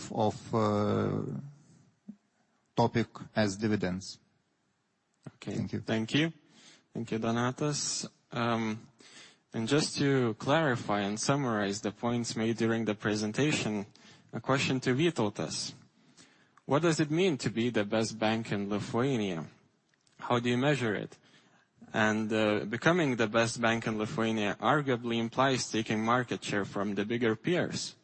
topic as dividends. Okay. Thank you. Thank you. Thank you, Donatas. And just to clarify and summarize the points made during the presentation, a question to Vytautas: What does it mean to be the best bank in Lithuania? How do you measure it? And, becoming the best bank in Lithuania arguably implies taking market share from the bigger peers.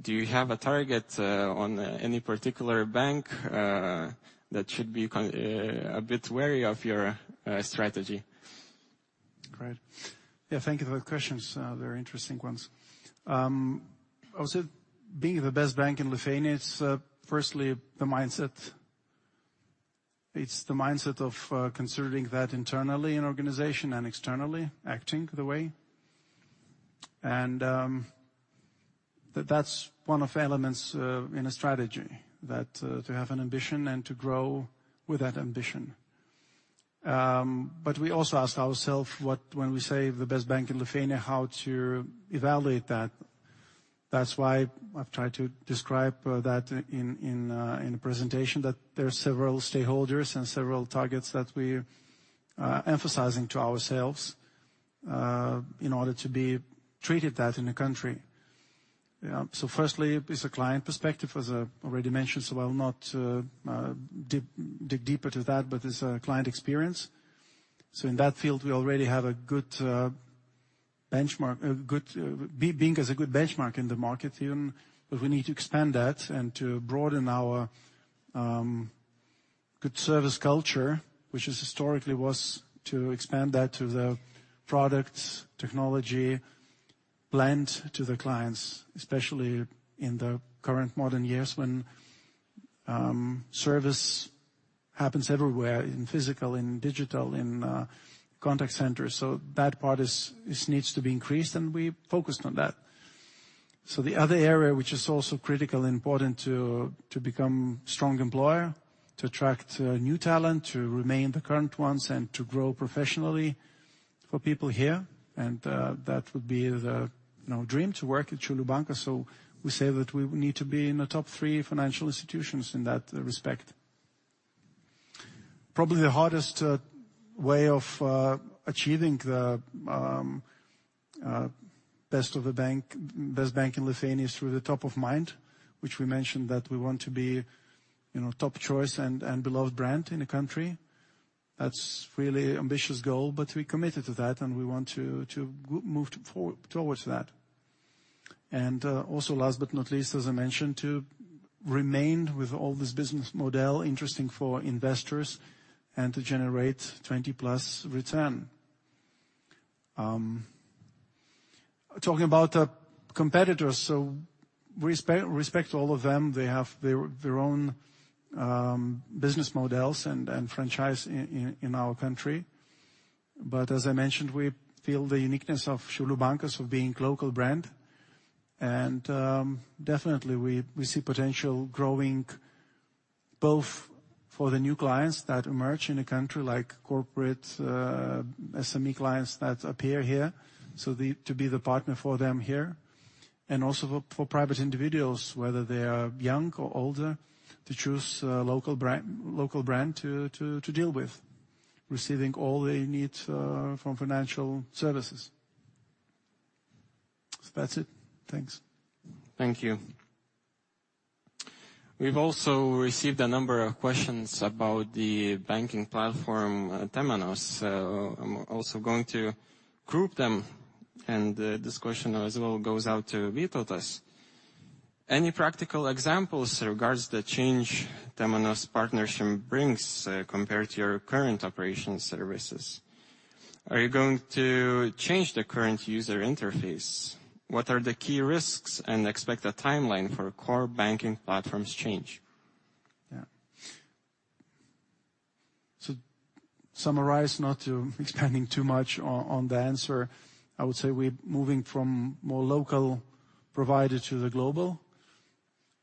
Do you have a target on any particular bank that should be a bit wary of your strategy? Right. Yeah, thank you for the questions, very interesting ones. I would say being the best bank in Lithuania is, firstly the mindset. It's the mindset of, considering that internally in organization and externally acting the way. And, that's one of elements, in a strategy, that, to have an ambition and to grow with that ambition. But we also asked ourselves, what... When we say the best bank in Lithuania, how to evaluate that? That's why I've tried to describe, that in the presentation, that there are several stakeholders and several targets that we're emphasizing to ourselves, in order to be treated that in the country.... Yeah, so firstly, it's a client perspective, as I already mentioned, so I will not dig deeper to that, but it's a client experience. So in that field, we already have a good benchmark, a good being as a good benchmark in the market even, but we need to expand that and to broaden our good service culture, which historically was to expand that to the products, technology, blend to the clients, especially in the current modern years, when service happens everywhere, in physical, in digital, in contact centers. So that part needs to be increased, and we focused on that. So the other area, which is also critical and important to become strong employer, to attract new talent, to remain the current ones, and to grow professionally for people here, and that would be the, you know, dream to work at Šiaulių Bankas. So we say that we need to be in the top three financial institutions in that respect. Probably the hardest way of achieving the best of the bank, best bank in Lithuania is through the top of mind, which we mentioned that we want to be, you know, top choice and beloved brand in the country. That's really ambitious goal, but we're committed to that, and we want to move towards that. Also, last but not least, as I mentioned, to remain with all this business model interesting for investors and to generate 20+ return. Talking about competitors, so we respect all of them. They have their own business models and franchise in our country. But as I mentioned, we feel the uniqueness of Šiaulių Bankas of being local brand, and, definitely we see potential growing both for the new clients that emerge in the country, like corporate, SME clients that appear here, so to be the partner for them here. And also for private individuals, whether they are young or older, to choose, local brand to deal with, receiving all they need, from financial services. So that's it. Thanks. Thank you. We've also received a number of questions about the banking platform, Temenos. So I'm also going to group them, and this question as well goes out to Vytautas. Any practical examples regarding the change Temenos partnership brings, compared to your current operation services? Are you going to change the current user interface? What are the key risks and expected timeline for core banking platforms change? Yeah. So summarize, not to expanding too much on, on the answer, I would say we're moving from more local provider to the global,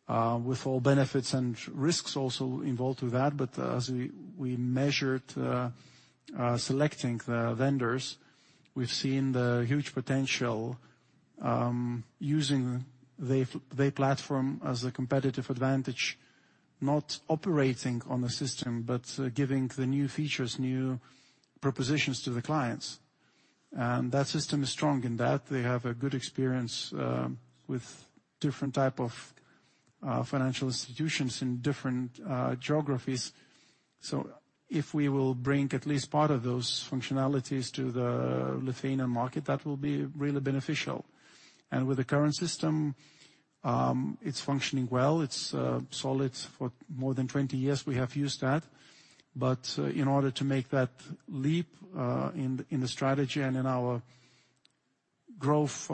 with all benefits and risks also involved with that. But as we measured selecting the vendors, we've seen the huge potential using their platform as a competitive advantage, not operating on the system, but giving the new features, new propositions to the clients. And that system is strong in that they have a good experience with different type of financial institutions in different geographies. So if we will bring at least part of those functionalities to the Lithuanian market, that will be really beneficial. And with the current system, it's functioning well, it's solid. For more than 20 years we have used that. But in order to make that leap, in the strategy and in our growth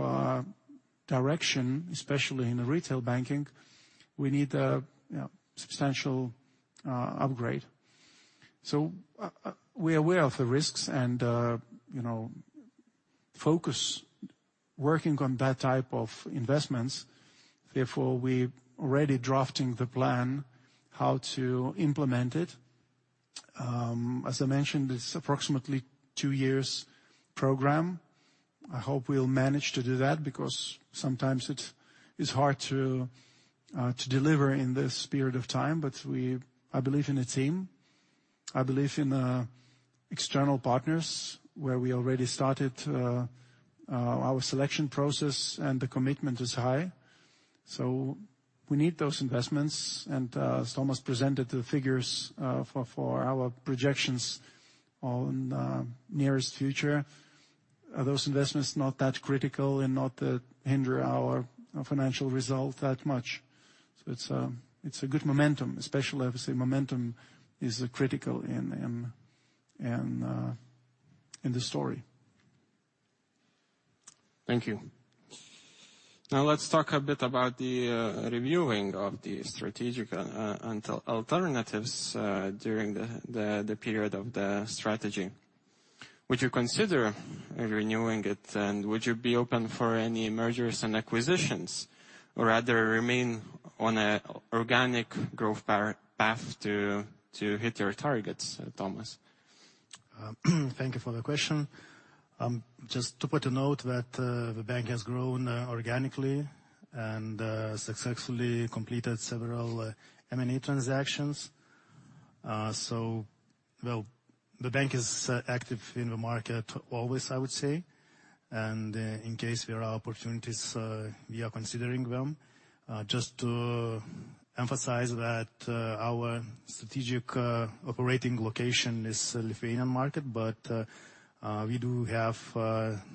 direction, especially in the retail banking, we need a, you know, substantial upgrade. So we are aware of the risks and, you know, focus working on that type of investments, therefore, we already drafting the plan how to implement it. As I mentioned, it's approximately two years program. I hope we'll manage to do that, because sometimes it is hard to deliver in this period of time. But we... I believe in the team. I believe in external partners, where we already started our selection process, and the commitment is high. So we need those investments, and as Tomas presented the figures for our projections on nearest future, are those investments not that critical and not hinder our financial result that much. So it's a good momentum, especially, obviously, momentum is critical in the story. Thank you. Now, let's talk a bit about the reviewing of the strategic alternatives during the period of the strategy. Would you consider renewing it, and would you be open for any mergers and acquisitions, or rather remain on a organic growth path to hit your targets, Tomas? Thank you for the question. Just to put a note that the bank has grown organically and successfully completed several M&A transactions. So, well, the bank is active in the market always, I would say, and in case there are opportunities, we are considering them. Just to emphasize that, our strategic operating location is Lithuanian market, but we do have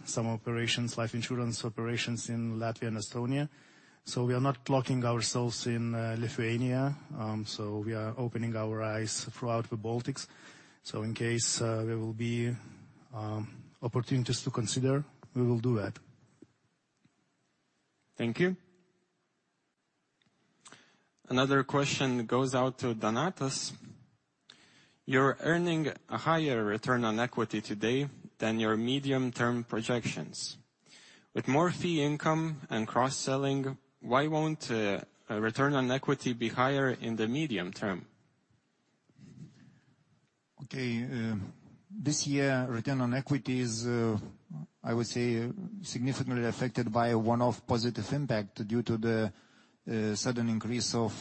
some operations, life insurance operations in Latvia and Estonia. So we are not locking ourselves in Lithuania, so we are opening our eyes throughout the Baltics. So in case there will be opportunities to consider, we will do that. Thank you. Another question goes out to Donatas. You're earning a higher return on equity today than your medium-term projections. With more fee income and cross-selling, why won't a return on equity be higher in the medium term? Okay, this year, return on equity is, I would say, significantly affected by a one-off positive impact due to the sudden increase of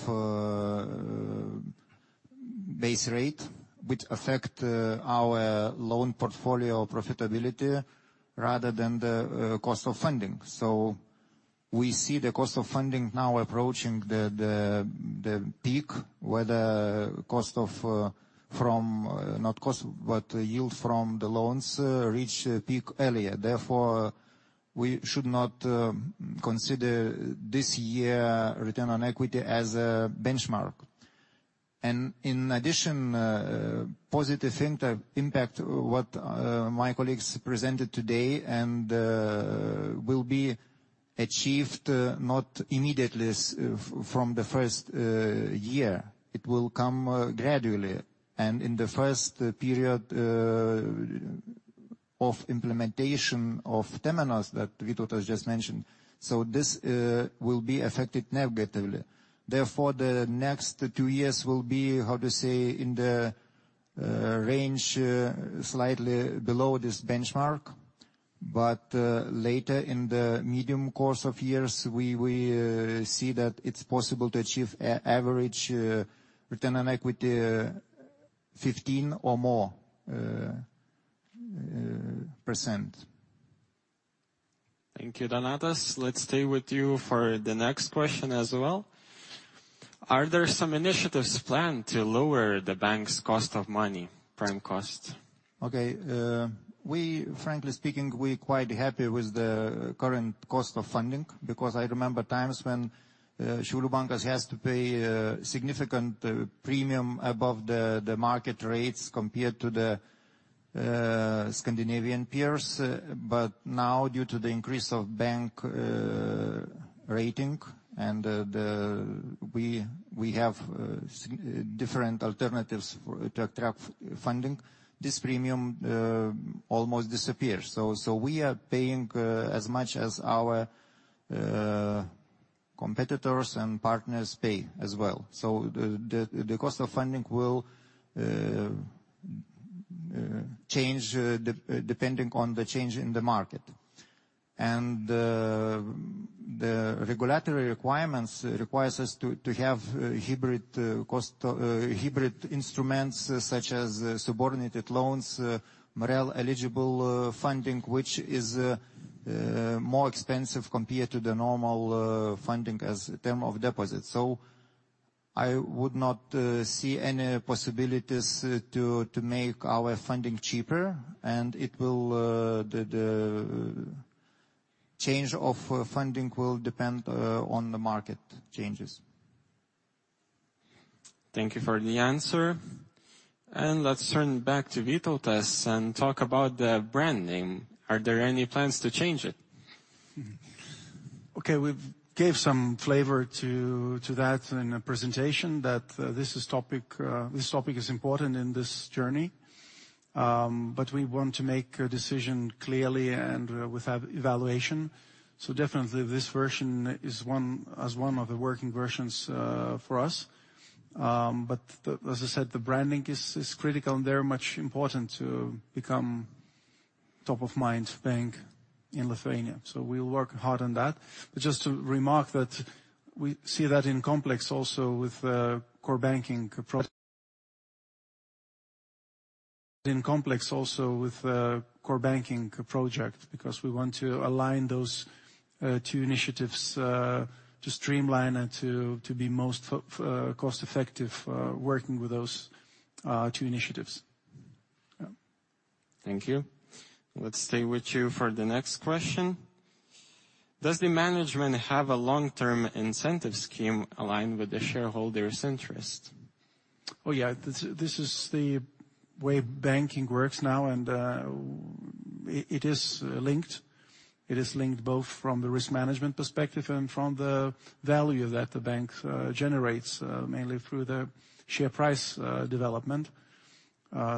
base rate, which affect our loan portfolio profitability rather than the cost of funding. So we see the cost of funding now approaching the peak, where the cost of, from, not cost, but yield from the loans reach a peak earlier. Therefore, we should not consider this year return on equity as a benchmark. And in addition, positive thing to impact what my colleagues presented today and will be achieved not immediately from the first year. It will come gradually, and in the first period of implementation of Temenos, that Vytautas just mentioned, so this will be affected negatively. Therefore, the next two years will be, how to say, in the range, slightly below this benchmark, but later in the medium course of years, we see that it's possible to achieve a average return on equity 15% or more. Thank you, Donatas. Let's stay with you for the next question as well. Are there some initiatives planned to lower the bank's cost of money, prime cost? Okay, we frankly speaking, we're quite happy with the current cost of funding, because I remember times when Šiaulių Bankas has to pay significant premium above the market rates compared to the Scandinavian peers. But now, due to the increase of bank rating and the... We have different alternatives to attract funding, this premium almost disappears. So we are paying as much as our competitors and partners pay as well. So the cost of funding will change depending on the change in the market. And the regulatory requirements requires us to have hybrid cost hybrid instruments, such as subordinated loans, MREL-eligible funding, which is more expensive compared to the normal funding as term of deposit. I would not see any possibilities to make our funding cheaper, and the change of funding will depend on the market changes. Thank you for the answer. Let's turn back to Vytautas and talk about the brand name. Are there any plans to change it? Okay, we've gave some flavor to that in the presentation, that this topic is important in this journey. But we want to make a decision clearly and with evaluation. So definitely, this version is one, as one of the working versions, for us. But, as I said, the branding is critical, and they're much important to become top-of-mind bank in Lithuania. So we'll work hard on that. But just to remark that we see that in complex also with core banking project, because we want to align those two initiatives to streamline and to be most cost-effective working with those two initiatives. Yeah. Thank you. Let's stay with you for the next question. Does the management have a long-term incentive scheme aligned with the shareholders' interest? Oh, yeah. This is the way banking works now, and it is linked. It is linked both from the risk management perspective and from the value that the bank generates, mainly through the share price development.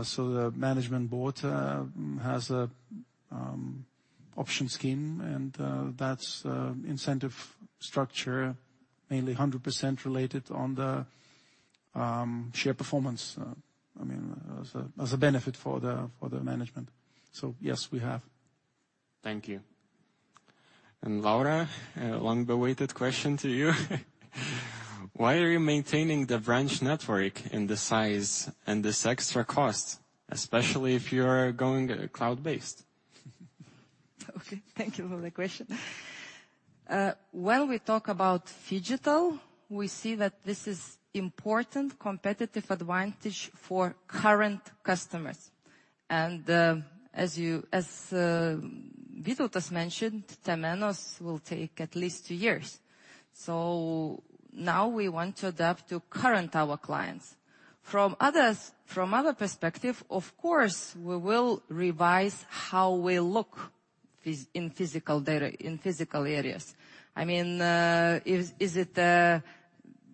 So the management board has a option scheme, and that's incentive structure, mainly 100% related on the share performance, I mean, as a benefit for the management. So yes, we have. Thank you.... And Laura, a long-awaited question to you. Why are you maintaining the branch network in this size and this extra cost, especially if you're going cloud-based? Okay, thank you for the question. When we talk about phygital, we see that this is important competitive advantage for current customers. And, as you, as, Vytautas mentioned, Temenos will take at least two years. So now we want to adapt to current our clients. From others, from other perspective, of course, we will revise how we look phys- in physical data, in physical areas. I mean, is, is it,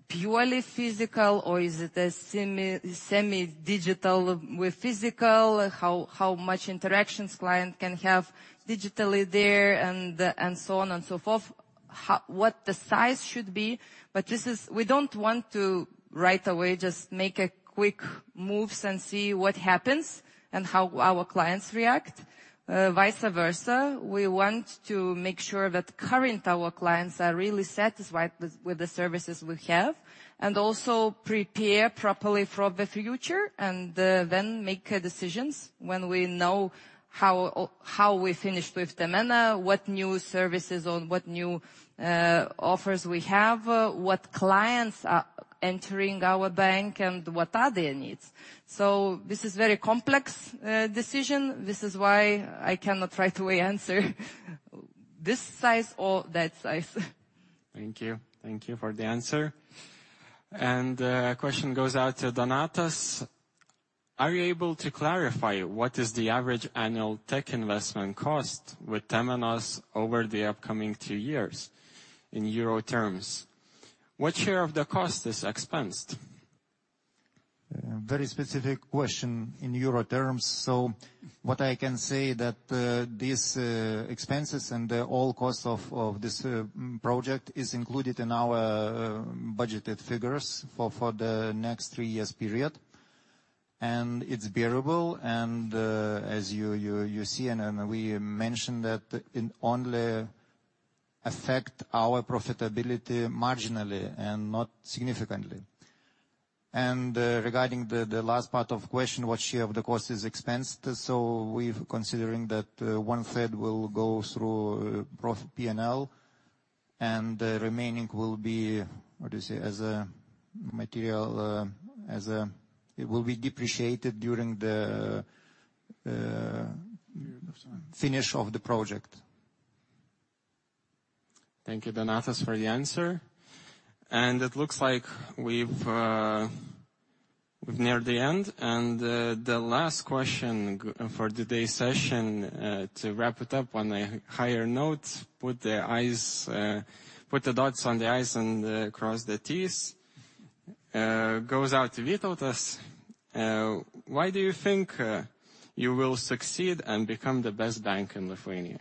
purely physical, or is it a semi, semi-digital with physical? How, how much interactions client can have digitally there, and, and so on and so forth. How... What the size should be? But this is- we don't want to right away just make a quick moves and see what happens, and how our clients react. Vice versa, we want to make sure that current our clients are really satisfied with, with the services we have, and also prepare properly for the future, and, then make decisions when we know how we finished with Temenos, what new services or what new, offers we have, what clients are entering our bank, and what are their needs. So this is very complex, decision. This is why I cannot right away answer, this size or that size. Thank you. Thank you for the answer. Question goes out to Donatas. Are you able to clarify what is the average annual tech investment cost with Temenos over the upcoming two years in euro terms? What share of the cost is expensed? Very specific question in euro terms, so what I can say that these expenses and all costs of this project is included in our budgeted figures for the next three years period. And it's bearable, and as you see, and we mentioned that it only affect our profitability marginally and not significantly. And regarding the last part of question, what share of the cost is expensed, so we've considering that one third will go through prof P&L, and the remaining will be, what you say, as a material, as a... It will be depreciated during the Period of time.... finish of the project. Thank you, Donatas, for the answer. It looks like we've, we've neared the end, and the last question for today's session, to wrap it up on a higher note, put the i's, put the dots on the i's and, cross the t's, goes out to Vytautas. Why do you think, you will succeed and become the best bank in Lithuania?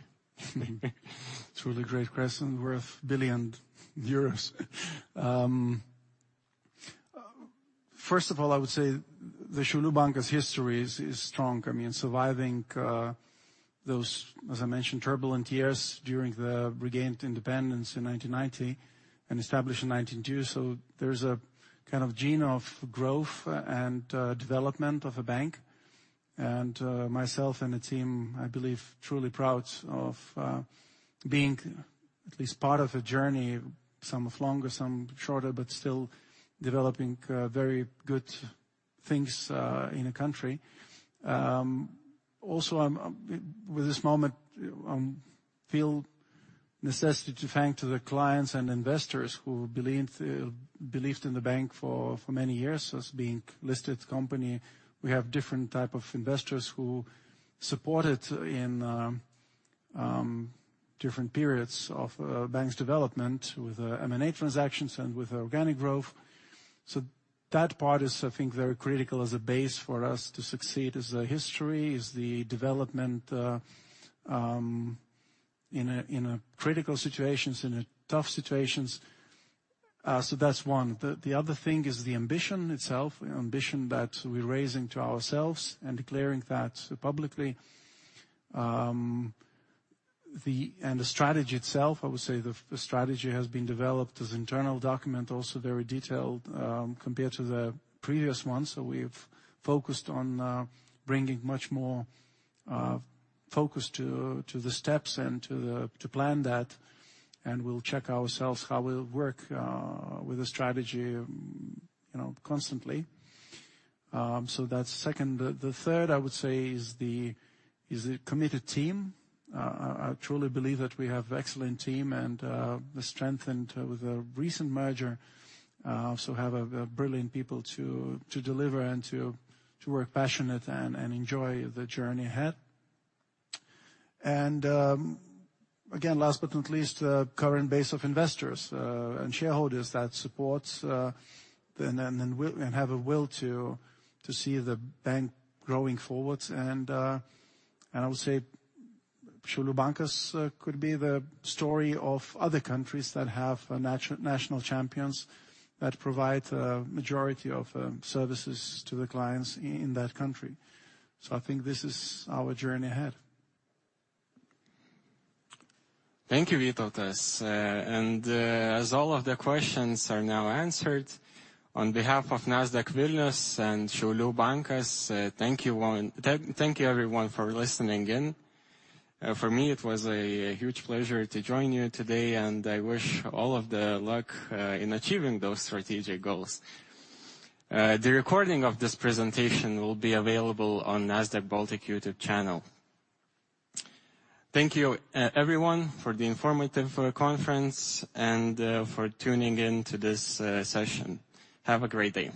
It's really great question, worth 1 billion euros. First of all, I would say the Šiaulių Bankas history is strong. I mean, surviving those, as I mentioned, turbulent years during the regained independence in 1990 and established in 1992, so there's a kind of gene of growth and development of a bank. And myself and the team, I believe, truly proud of being at least part of a journey, some of longer, some shorter, but still developing very good things in a country. Also, with this moment, feel necessity to thank to the clients and investors who believed in the bank for many years. As being listed company, we have different type of investors who supported in different periods of bank's development with M&A transactions and with organic growth. So that part is, I think, very critical as a base for us to succeed, is the history, is the development, in critical situations, in tough situations. So that's one. The other thing is the ambition itself, ambition that we're raising to ourselves and declaring that publicly. The strategy itself, I would say the strategy has been developed as internal document, also very detailed, compared to the previous ones. So we've focused on bringing much more focus to the steps and to the plan that, and we'll check ourselves how we'll work with the strategy, you know, constantly. So that's second. The third I would say is the committed team. I truly believe that we have excellent team and the strength and with the recent merger also have a brilliant people to deliver and to work passionate and enjoy the journey ahead. Again, last but not least, the current base of investors and shareholders that supports and will have a will to see the bank growing forward. And I would say Šiaulių Bankas could be the story of other countries that have national champions that provide majority of services to the clients in that country. So I think this is our journey ahead. Thank you, Vytautas. As all of the questions are now answered, on behalf of Nasdaq Vilnius and Šiaulių Bankas, thank you, everyone, for listening in. For me, it was a huge pleasure to join you today, and I wish all of the luck in achieving those strategic goals. The recording of this presentation will be available on Nasdaq Baltic YouTube channel. Thank you, everyone, for the informative conference and for tuning in to this session. Have a great day.